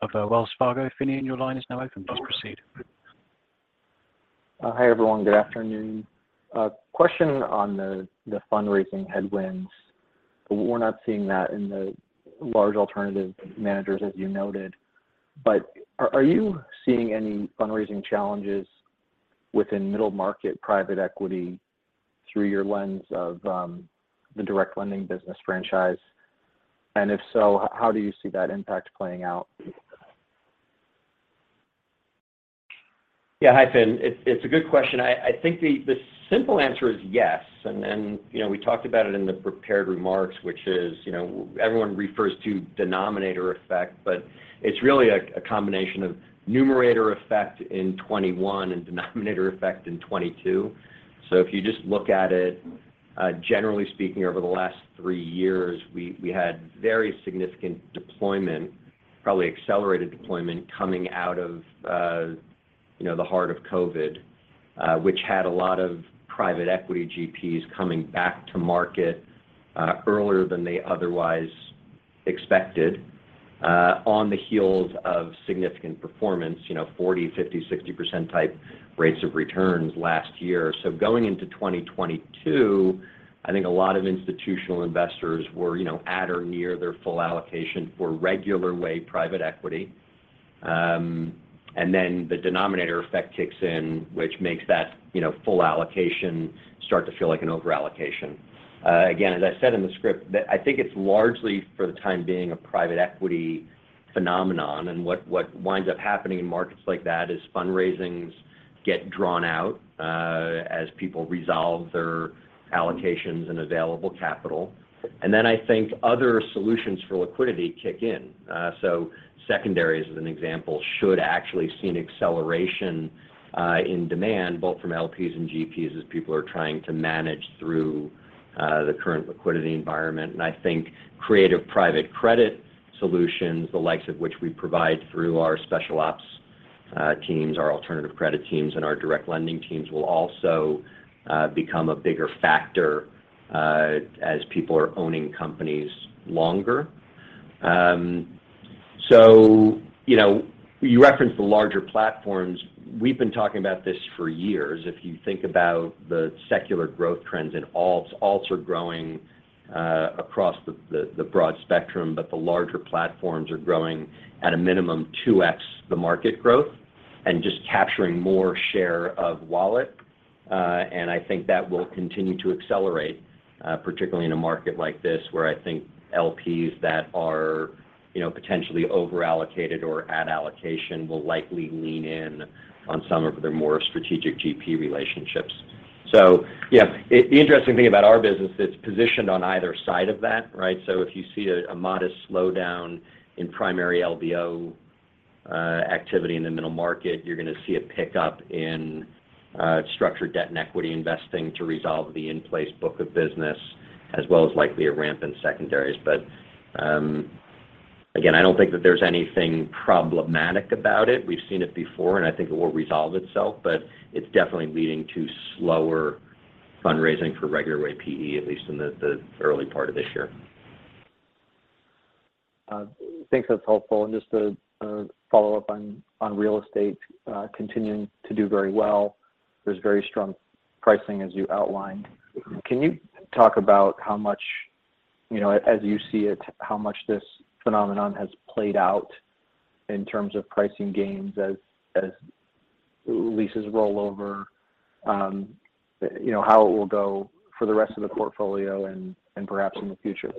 Speaker 1: of Wells Fargo. Finian, your line is now open. Please proceed.
Speaker 9: Hi, everyone. Good afternoon. Question on the fundraising headwinds. We're not seeing that in the large alternative managers, as you noted, but are you seeing any fundraising challenges within middle market private equity through your lens of the direct lending business franchise? If so, how do you see that impact playing out?
Speaker 3: Yeah. Hi, Fin. It's a good question. I think the simple answer is yes, and you know, we talked about it in the prepared remarks, which is, you know, everyone refers to denominator effect, but it's really a combination of numerator effect in 2021 and denominator effect in 2022. If you just look at it, generally speaking over the last three years, we had very significant deployment, probably accelerated deployment coming out of you know, the heart of COVID, which had a lot of private equity GPs coming back to market earlier than they otherwise expected on the heels of significant performance, you know, 40%, 50%, 60% type rates of returns last year. Going into 2022, I think a lot of institutional investors were, you know, at or near their full allocation for regular way private equity. Then the denominator effect kicks in, which makes that, you know, full allocation start to feel like an overallocation. Again, as I said in the script, I think it's largely, for the time being, a private equity phenomenon. What winds up happening in markets like that is fundraisings get drawn out, as people resolve their allocations and available capital. Then I think other solutions for liquidity kick in. Secondary as an example should actually see an acceleration in demand both from LPs and GPs as people are trying to manage through the current liquidity environment. I think creative private credit solutions, the likes of which we provide through our special ops teams, our alternative credit teams, and our direct lending teams, will also become a bigger factor as people are owning companies longer. So, you know, you referenced the larger platforms. We've been talking about this for years if you think about the secular growth trends in alts. Alts are growing across the broad spectrum, but the larger platforms are growing at a minimum 2x the market growth and just capturing more share of wallet. I think that will continue to accelerate, particularly in a market like this, where I think LPs that are, you know, potentially over-allocated or at allocation will likely lean in on some of their more strategic GP relationships. Yeah, the interesting thing about our business, it's positioned on either side of that, right? If you see a modest slowdown in primary LBO activity in the middle market, you're gonna see a pickup in structured debt and equity investing to resolve the in-place book of business, as well as likely a ramp in secondaries. Again, I don't think that there's anything problematic about it. We've seen it before, and I think it will resolve itself. It's definitely leading to slower fundraising for regular way PE, at least in the early part of this year.
Speaker 9: Think that's helpful. Just to follow up on real estate continuing to do very well. There's very strong pricing as you outlined. Can you talk about how much, you know, as you see it, how much this phenomenon has played out in terms of pricing gains as leases roll over? You know, how it will go for the rest of the portfolio and perhaps in the future?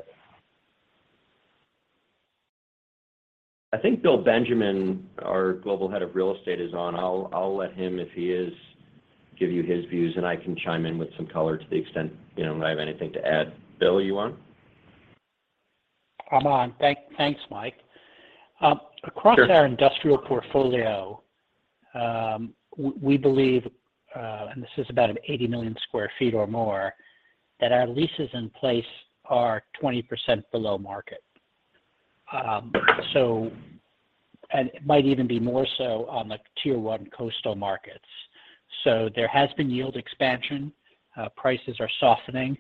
Speaker 3: I think William Benjamin, our Global Head of Real Estate, is on. I'll let him, if he is, give you his views, and I can chime in with some color to the extent, you know, that I have anything to add. Bill, you on?
Speaker 10: I'm on. Thanks, Mike. Across
Speaker 3: Sure.
Speaker 10: Our industrial portfolio, we believe, and this is about 80 million sq ft or more, that our leases in place are 20% below market. It might even be more so on the Tier One coastal markets. There has been yield expansion. Prices are softening,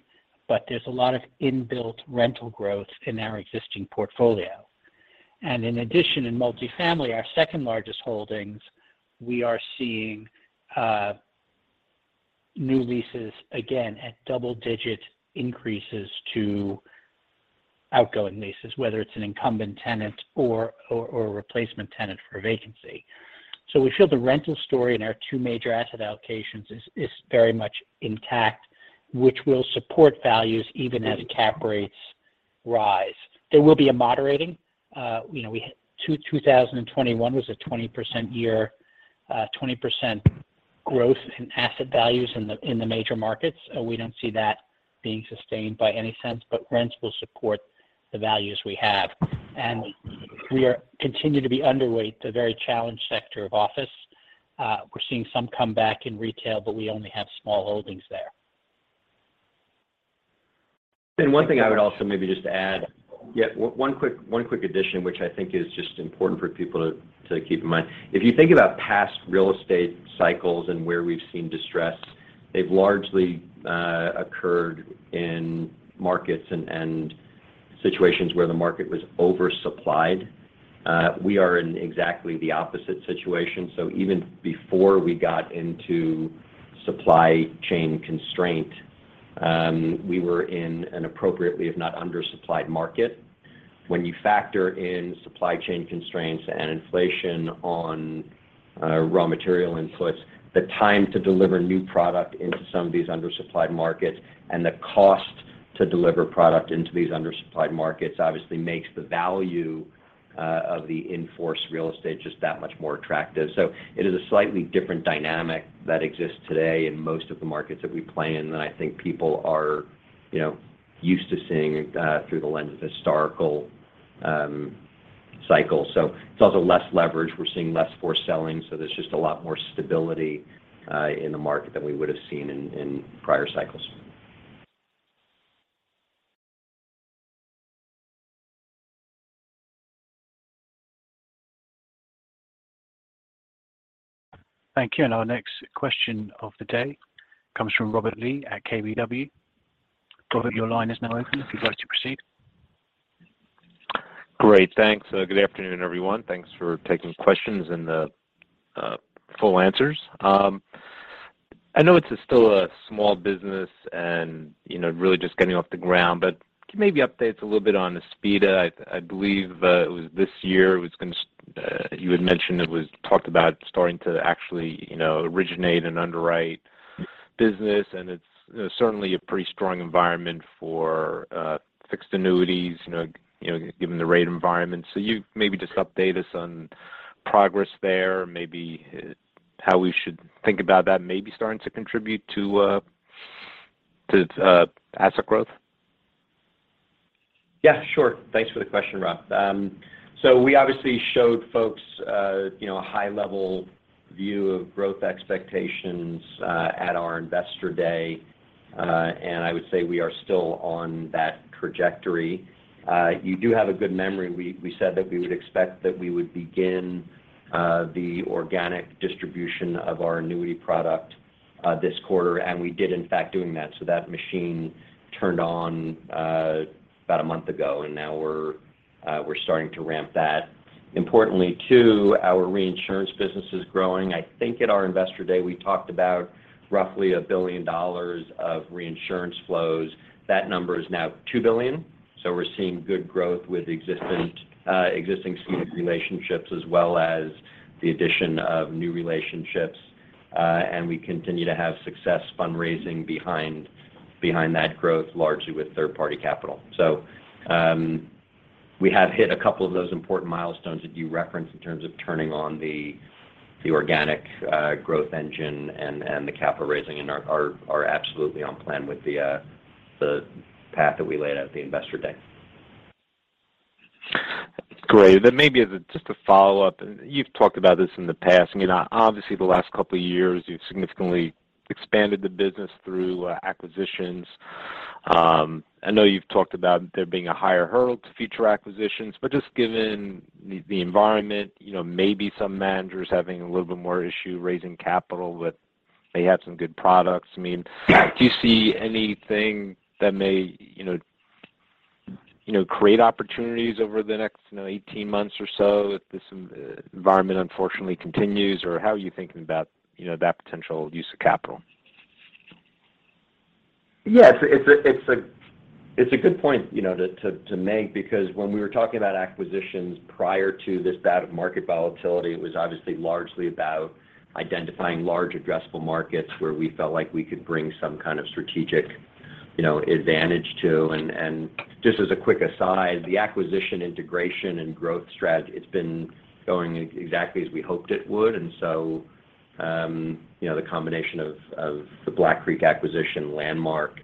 Speaker 10: but there's a lot of inbuilt rental growth in our existing portfolio. In addition, in multifamily, our second-largest holdings, we are seeing new leases again at double-digit increases to outgoing leases, whether it's an incumbent tenant or a replacement tenant for a vacancy. We feel the rental story in our two major asset allocations is very much intact, which will support values even as cap rates rise. There will be a moderating. You know, 2021 was a 20% year, 20% growth in asset values in the major markets. We don't see that being sustained by any means, but rents will support the values we have. We continue to be underweight in the very challenged sector of office. We're seeing some comeback in retail, but we only have small holdings there.
Speaker 3: One thing I would also maybe just add. Yeah, one quick addition, which I think is just important for people to keep in mind. If you think about past real estate cycles and where we've seen distress, they've largely occurred in markets and situations where the market was oversupplied. We are in exactly the opposite situation. Even before we got into supply chain constraint, we were in an appropriately, if not undersupplied market. When you factor in supply chain constraints and inflation on raw material inputs, the time to deliver new product into some of these undersupplied markets and the cost to deliver product into these undersupplied markets obviously makes the value of the in-force real estate just that much more attractive. It is a slightly different dynamic that exists today in most of the markets that we play in than I think people are, you know, used to seeing, through the lens of historical cycles. It's also less leverage. We're seeing less forced selling, so there's just a lot more stability in the market than we would have seen in prior cycles.
Speaker 1: Thank you. Our next question of the day comes from Robert Lee at KBW. Robert, your line is now open if you'd like to proceed.
Speaker 11: Great. Thanks. Good afternoon, everyone. Thanks for taking questions and full answers. I know it's still a small business and, you know, really just getting off the ground, but can you maybe update us a little bit on Aspida? I believe it was this year you had mentioned it was talked about starting to actually, you know, originate and underwrite business, and it's, you know, certainly a pretty strong environment for fixed annuities, you know, given the rate environment. You maybe just update us on progress there, maybe how we should think about that maybe starting to contribute to asset growth.
Speaker 3: Yeah, sure. Thanks for the question, Rob. We obviously showed folks, you know, a high-level view of growth expectations at our investor day. I would say we are still on that trajectory. You do have a good memory. We said that we would expect that we would begin the organic distribution of our annuity product this quarter, and we did in fact doing that. That machine turned on about a month ago, and now we're starting to ramp that. Importantly, too, our reinsurance business is growing. I think at our investor day, we talked about roughly $1 billion of reinsurance flows. That number is now $2 billion. We're seeing good growth with existing seed relationships as well as the addition of new relationships, and we continue to have success fundraising behind that growth largely with third-party capital. We have hit a couple of those important milestones that you referenced in terms of turning on the organic growth engine and the capital raising and are absolutely on plan with the path that we laid out at the Investor Day.
Speaker 11: Great. Maybe as just a follow-up, you've talked about this in the past. I mean, obviously the last couple of years you've significantly expanded the business through acquisitions. I know you've talked about there being a higher hurdle to future acquisitions, but just given the environment, you know, maybe some managers having a little bit more issue raising capital, but they have some good products. I mean.
Speaker 3: Yeah.
Speaker 11: Do you see anything that may, you know, create opportunities over the next, you know, 18 months or so if this environment unfortunately continues, or how are you thinking about, you know, that potential use of capital?
Speaker 3: Yeah. It's a good point, you know, to make because when we were talking about acquisitions prior to this bout of market volatility, it was obviously largely about identifying large addressable markets where we felt like we could bring some kind of strategic, you know, advantage to. Just as a quick aside, the acquisition integration and growth strategy, it's been going exactly as we hoped it would. You know, the combination of the Black Creek acquisition, Landmark,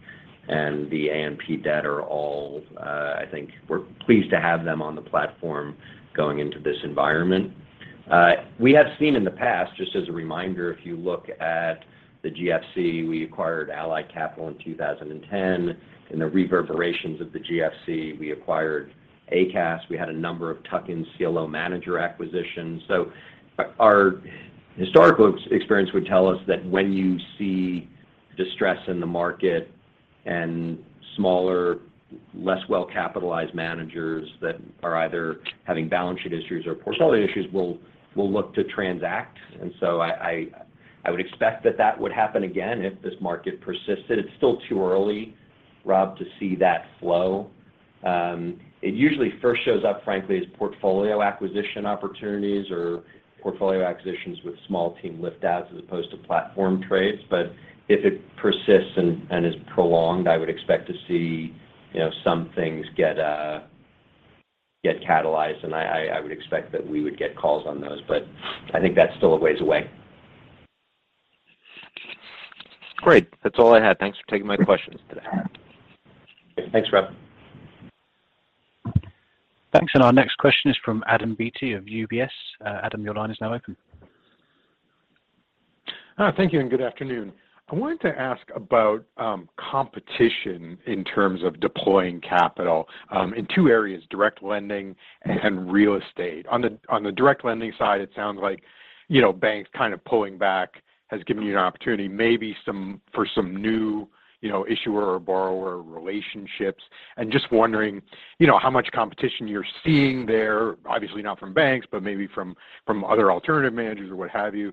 Speaker 3: and the AMP debt are all, I think we're pleased to have them on the platform going into this environment. We have seen in the past, just as a reminder, if you look at the GFC, we acquired Allied Capital in 2010. In the reverberations of the GFC, we acquired ACAS. We had a number of tuck-in CLO manager acquisitions. Our historical experience would tell us that when you see distress in the market and smaller, less well-capitalized managers that are either having balance sheet issues or portfolio issues will look to transact. I would expect that would happen again if this market persisted. It's still too early, Rob, to see that flow. It usually first shows up frankly as portfolio acquisition opportunities or portfolio acquisitions with small team lift outs as opposed to platform trades. If it persists and is prolonged, I would expect to see some things get catalyzed. I would expect that we would get calls on those. I think that's still a ways away.
Speaker 11: Great. That's all I had. Thanks for taking my questions today.
Speaker 3: Thanks, Rob.
Speaker 1: Thanks. Our next question is from Adam Beatty of UBS. Adam, your line is now open.
Speaker 12: Thank you and good afternoon. I wanted to ask about competition in terms of deploying capital in two areas, direct lending and real estate. On the direct lending side, it sounds like, you know, banks kind of pulling back has given you an opportunity maybe for some new, you know, issuer or borrower relationships. Just wondering, you know, how much competition you're seeing there, obviously not from banks, but maybe from other alternative managers or what have you.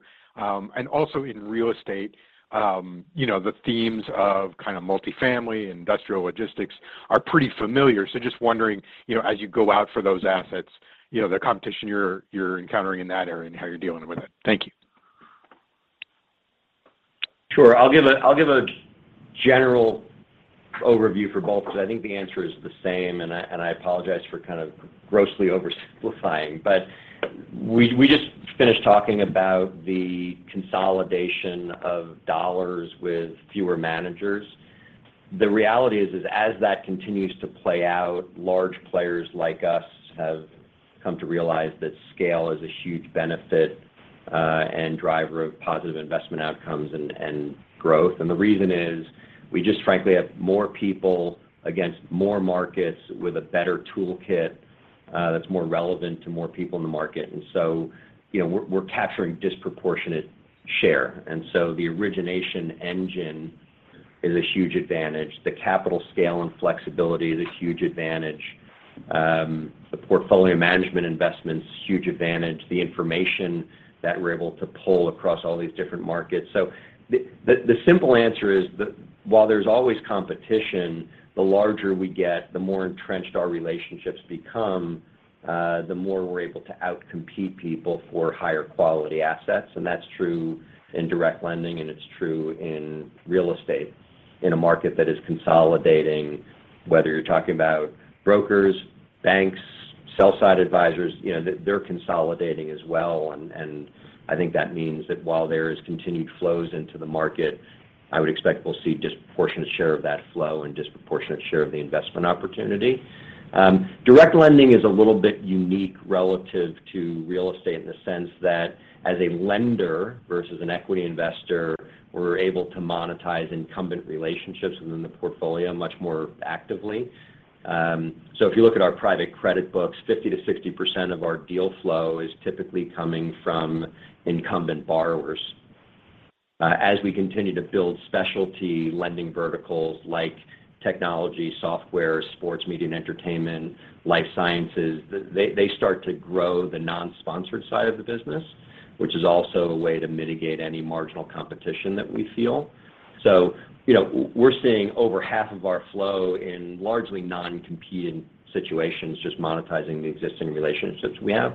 Speaker 12: Also in real estate, you know, the themes of kind of multifamily, industrial logistics are pretty familiar. So just wondering, you know, as you go out for those assets, you know, the competition you're encountering in that area and how you're dealing with it. Thank you.
Speaker 3: Sure. I'll give a general overview for both because I think the answer is the same, and I apologize for kind of grossly oversimplifying. We just finished talking about the consolidation of dollars with fewer managers. The reality is as that continues to play out, large players like us have come to realize that scale is a huge benefit and driver of positive investment outcomes and growth. The reason is we just frankly have more people against more markets with a better toolkit that's more relevant to more people in the market. You know, we're capturing disproportionate share. The origination engine is a huge advantage. The capital scale, and flexibility is a huge advantage. The portfolio management investment's huge advantage, the information that we're able to pull across all these different markets. The simple answer is while there's always competition, the larger we get, the more entrenched our relationships become, the more we're able to outcompete people for higher quality assets. That's true in direct lending, and it's true in real estate. In a market that is consolidating, whether you're talking about brokers, banks, sell-side advisors, you know, they're consolidating as well. I think that means that while there is continued flows into the market, I would expect we'll see disproportionate share of that flow and disproportionate share of the investment opportunity. Direct lending is a little bit unique relative to real estate in the sense that as a lender versus an equity investor, we're able to monetize incumbent relationships within the portfolio much more actively. If you look at our private credit books, 50%-60% of our deal flow is typically coming from incumbent borrowers. As we continue to build specialty lending verticals like technology, software, sports, media and entertainment, life sciences, they start to grow the non-sponsored side of the business, which is also a way to mitigate any marginal competition that we feel. You know, we're seeing over half of our flow in largely non-competing situations, just monetizing the existing relationships we have.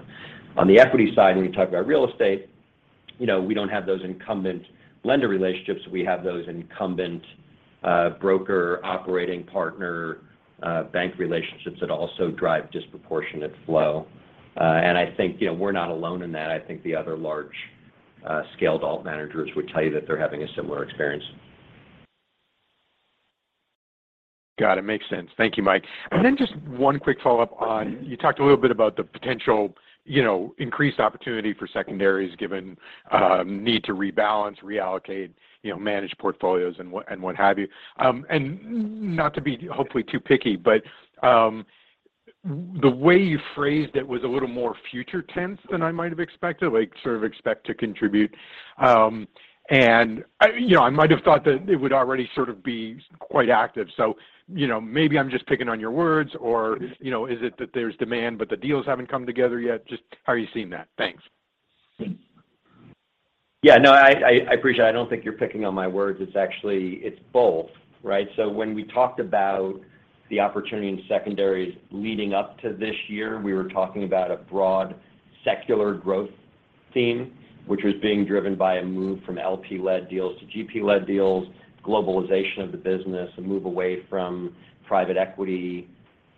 Speaker 3: On the equity side, when we talk about real estate, you know, we don't have those incumbent lender relationships. We have those incumbent broker operating partner bank relationships that also drive disproportionate flow. I think, you know, we're not alone in that. I think the other large, scaled alt managers would tell you that they're having a similar experience.
Speaker 12: Got it. Makes sense. Thank you, Mike. Then just one quick follow-up on. You talked a little bit about the potential, you know, increased opportunity for secondaries given need to rebalance, reallocate, you know, manage portfolios and what have you. Not to be hopefully too picky, but the way you phrased it was a little more future tense than I might have expected, like sort of expect to contribute. You know, I might have thought that it would already sort of be quite active. You know, maybe I'm just picking on your words or, you know, is it that there's demand but the deals haven't come together yet? Just how are you seeing that? Thanks.
Speaker 3: Yeah, no, I appreciate it. I don't think you're picking on my words. It's actually, it's both, right? When we talked about the opportunity in secondaries leading up to this year, we were talking about a broad secular growth theme, which was being driven by a move from LP-led deals to GP-led deals, globalization of the business, a move away from private equity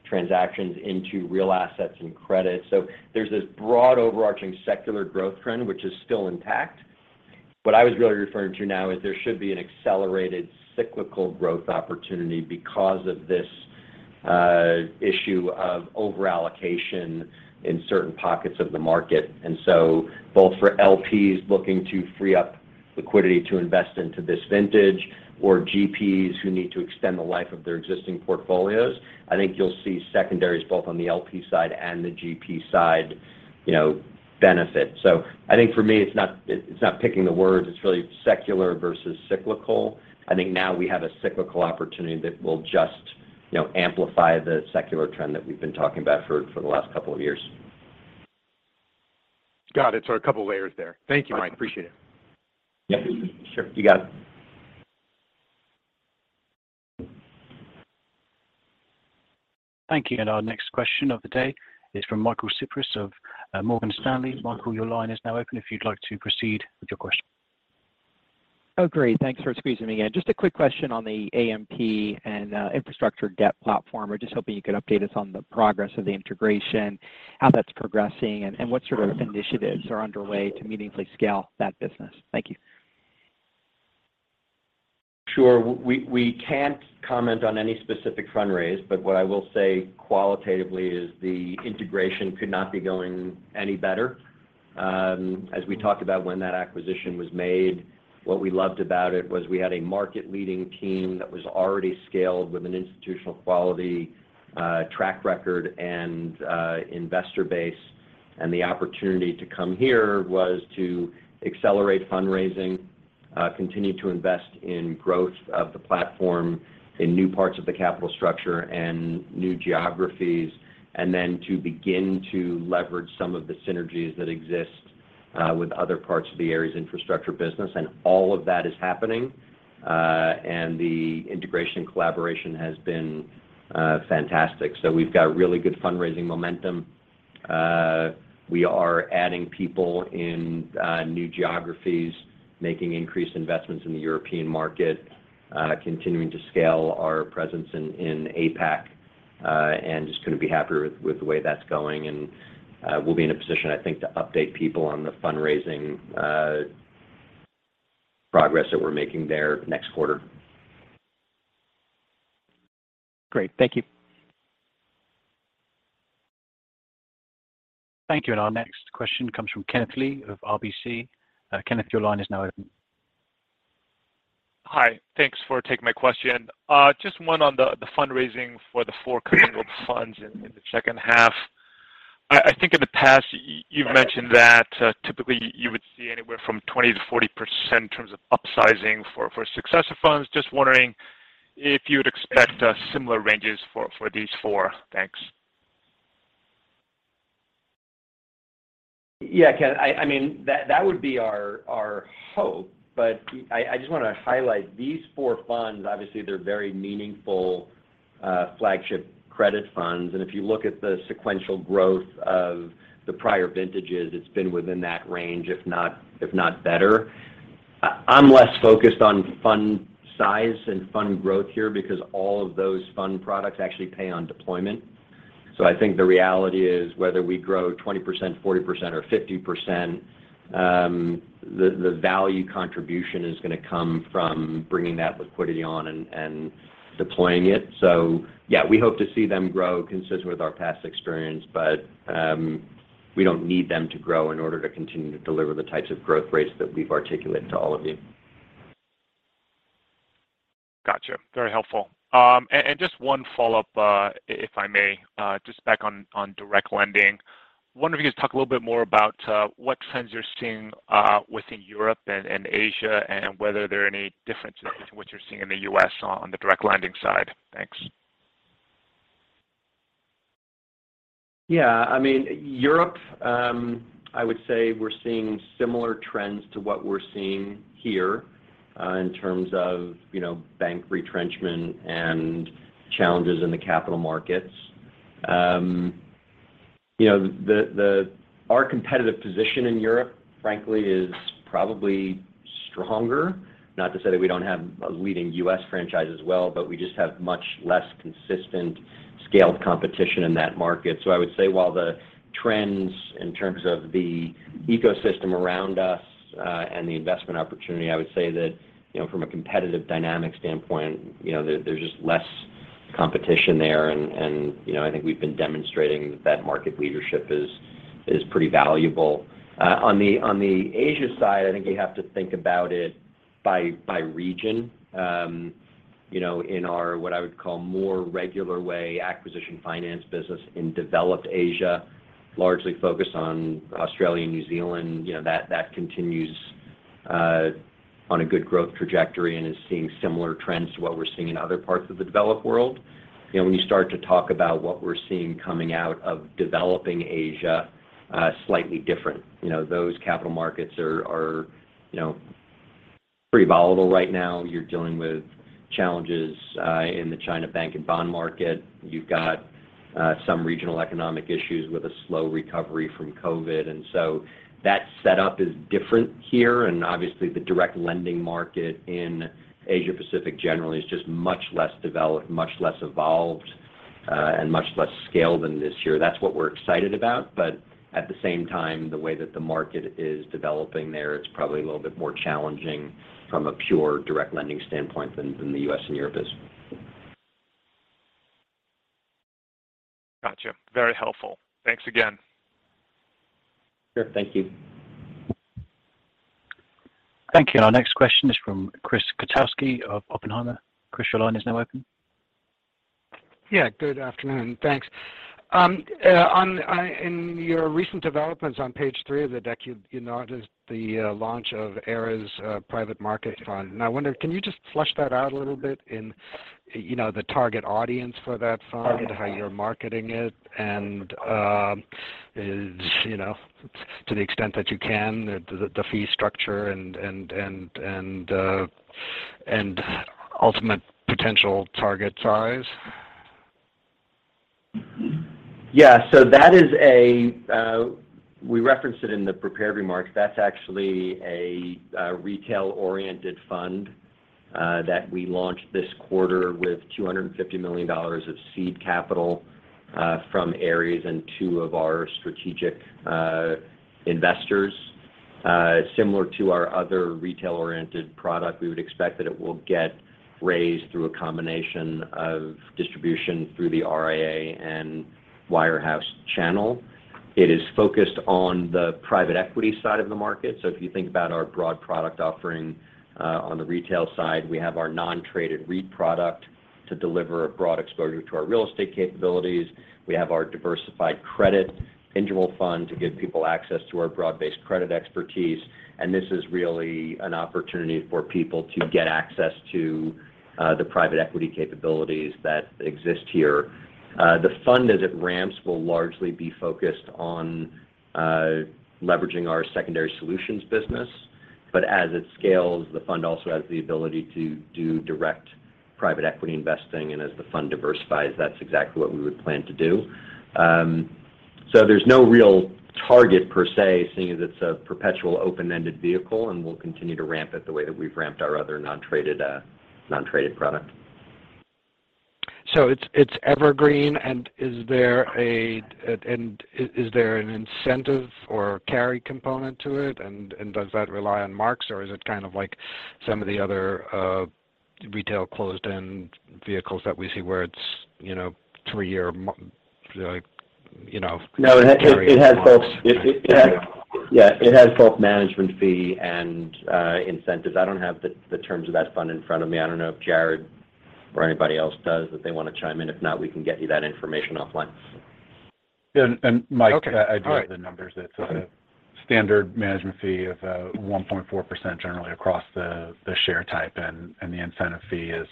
Speaker 3: transactions into real assets and credit. There's this broad overarching secular growth trend, which is still intact. What I was really referring to now is there should be an accelerated cyclical growth opportunity because of this issue of overallocation in certain pockets of the market. Both for LPs looking to free up liquidity to invest into this vintage or GPs who need to extend the life of their existing portfolios. I think you'll see secondaries both on the LP side and the GP side, you know, benefit. I think for me, it's not picking the words. It's really secular versus cyclical. I think now we have a cyclical opportunity that will just, you know, amplify the secular trend that we've been talking about for the last couple of years.
Speaker 12: Got it. A couple of layers there. Thank you, Mike. Appreciate it.
Speaker 3: Yep. Sure. You got it.
Speaker 1: Thank you. Our next question of the day is from Michael Cyprys of Morgan Stanley. Michael, your line is now open if you'd like to proceed with your question.
Speaker 13: Oh, great. Thanks for squeezing me in. Just a quick question on the AMP and infrastructure debt platform. I'm just hoping you could update us on the progress of the integration, how that's progressing, and what sort of initiatives are underway to meaningfully scale that business. Thank you.
Speaker 3: Sure. We can't comment on any specific fundraise, but what I will say qualitatively is the integration could not be going any better. As we talked about when that acquisition was made, what we loved about it was we had a market-leading team that was already scaled with an institutional quality track record, and investor base. The opportunity to come here was to accelerate fundraising, continue to invest in growth of the platform in new parts of the capital structure and new geographies, and then to begin to leverage some of the synergies that exist with other parts of the Ares infrastructure business. All of that is happening, and the integration collaboration has been fantastic. We've got really good fundraising momentum. We are adding people in new geographies, making increased investments in the European market, continuing to scale our presence in APAC, and just couldn't be happier with the way that's going. We'll be in a position, I think, to update people on the fundraising progress that we're making there next quarter.
Speaker 13: Great. Thank you.
Speaker 1: Thank you. Our next question comes from Kenneth Lee of RBC. Kenneth, your line is now open.
Speaker 14: Hi. Thanks for taking my question. Just one on the fundraising for the four commingled funds in the H2. I think in the past you've mentioned that typically you would see anywhere from 20%-40% in terms of upsizing for successive funds. Just wondering if you would expect similar ranges for these four. Thanks.
Speaker 3: Yeah. Ken, I mean, that would be our hope. I just wanna highlight these four funds, obviously they're very meaningful, flagship credit funds. If you look at the sequential growth of the prior vintages, it's been within that range, if not better. I'm less focused on fund size and fund growth here because all of those fund products actually pay on deployment. I think the reality is whether we grow 20%, 40% or 50%, the value contribution is gonna come from bringing that liquidity on and deploying it. Yeah, we hope to see them grow consistent with our past experience. We don't need them to grow in order to continue to deliver the types of growth rates that we've articulated to all of you.
Speaker 14: Gotcha. Very helpful. Just one follow-up, if I may. Just back on direct lending. Wonder if you could talk a little bit more about what trends you're seeing within Europe and Asia, and whether there are any differences between what you're seeing in the U.S. on the direct lending side. Thanks.
Speaker 3: Yeah. I mean, Europe, I would say we're seeing similar trends to what we're seeing here, in terms of, you know, bank retrenchment and challenges in the capital markets. Our competitive position in Europe, frankly, is probably stronger. Not to say that we don't have a leading US franchise as well, but we just have much less consistent scaled competition in that market. I would say while the trends in terms of the ecosystem around us, and the investment opportunity, I would say that, you know, from a competitive dynamic standpoint, you know, there's just less competition there and, you know, I think we've been demonstrating that market leadership is pretty valuable. On the Asia side, I think you have to think about it by region. You know, in our what I would call more regular way acquisition finance business in developed Asia, largely focused on Australia and New Zealand, you know, that continues on a good growth trajectory and is seeing similar trends to what we're seeing in other parts of the developed world. You know, when you start to talk about what we're seeing coming out of developing Asia, slightly different. You know, those capital markets are pretty volatile right now. You're dealing with challenges in the Chinese banking and bond market. You've got some regional economic issues with a slow recovery from COVID. That setup is different here, and obviously the direct lending market in Asia-Pacific generally is just much less developed, much less evolved, and much less scaled than the U.S. That's what we're excited about. At the same time, the way that the market is developing there, it's probably a little bit more challenging from a pure direct lending standpoint than the U.S. and Europe is.
Speaker 14: Gotcha. Very helpful. Thanks again.
Speaker 3: Sure. Thank you.
Speaker 1: Thank you. Our next question is from Chris Kotowski of Oppenheimer. Chris, your line is now open.
Speaker 15: Yeah, good afternoon. Thanks. In your recent developments on page three of the deck, you know, the launch of Ares Private Markets Fund. I wonder, can you just flesh that out a little bit, you know, the target audience for that fund, how you're marketing it and, is, you know, to the extent that you can, the fee structure and and ultimate potential target size?
Speaker 3: Yeah. That is a. We referenced it in the prepared remarks. That's actually a retail-oriented fund that we launched this quarter with $250 million of seed capital from Ares and two of our strategic investors. Similar to our other retail-oriented product, we would expect that it will get raised through a combination of distribution through the RIA and wirehouse channel. It is focused on the private equity side of the market. If you think about our broad product offering on the retail side, we have our non-traded REIT product to deliver a broad exposure to our real estate capabilities. We have our diversified credit interval fund to give people access to our broad-based credit expertise. This is really an opportunity for people to get access to the private equity capabilities that exist here. The fund as it ramps will largely be focused on leveraging our secondary solutions business. As it scales, the fund also has the ability to do direct private equity investing, and as the fund diversifies, that's exactly what we would plan to do. There's no real target per se, seeing as it's a perpetual open-ended vehicle, and we'll continue to ramp it the way that we've ramped our other non-traded product.
Speaker 15: It's evergreen. Is there an incentive or carry component to it, and does that rely on marks or is it kind of like some of the other retail closed-end vehicles that we see where it's, you know, like, you know-
Speaker 3: Yeah, it has both management fee and incentives. I don't have the terms of that fund in front of me. I don't know if Jarrod or anybody else does, if they wanna chime in. If not, we can get you that information offline.
Speaker 4: Yeah. Mike-
Speaker 15: Okay. All right.
Speaker 4: I do have the numbers. It's a standard management fee of 1.4% generally across the share type, and the incentive fee is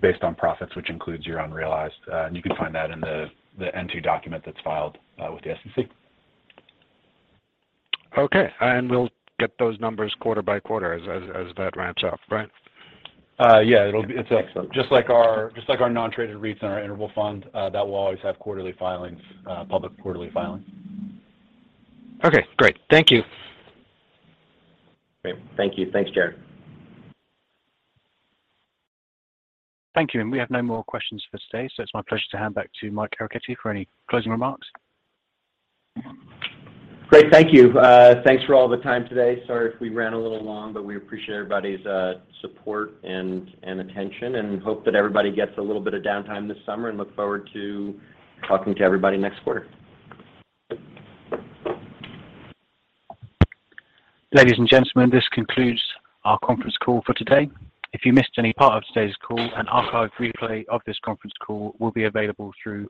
Speaker 4: based on profits, which includes your unrealized. You can find that in the N-2 document that's filed with the SEC.
Speaker 15: Okay. We'll get those numbers quarter by quarter as that ramps up, right?
Speaker 4: Yeah. It'll be.
Speaker 15: Excellent
Speaker 4: Just like our non-traded REITs and our interval fund, that will always have quarterly filings, public quarterly filings.
Speaker 15: Okay, great. Thank you.
Speaker 3: Great. Thank you. Thanks, Jarrod.
Speaker 1: Thank you. We have no more questions for today, so it's my pleasure to hand back to Mike Arougheti for any closing remarks.
Speaker 3: Great. Thank you. Thanks for all the time today. Sorry if we ran a little long, but we appreciate everybody's support and attention, and hope that everybody gets a little bit of downtime this summer and look forward to talking to everybody next quarter.
Speaker 1: Ladies and gentlemen, this concludes our conference call for today. If you missed any part of today's call, an archive replay of this conference call will be available through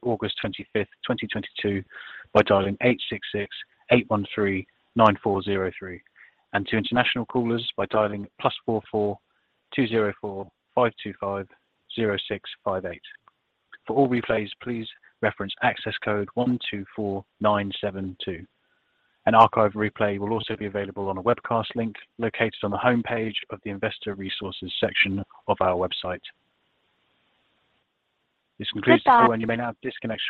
Speaker 1: August 25, 2022 by dialing 866-813-9403. To international callers, by dialing +44-20-4525-0658. For all replays, please reference access code 124972. An archive replay will also be available on a webcast link located on the homepage of the Investor Resources section of our website. This concludes. Click off. You may now disconnect your lines.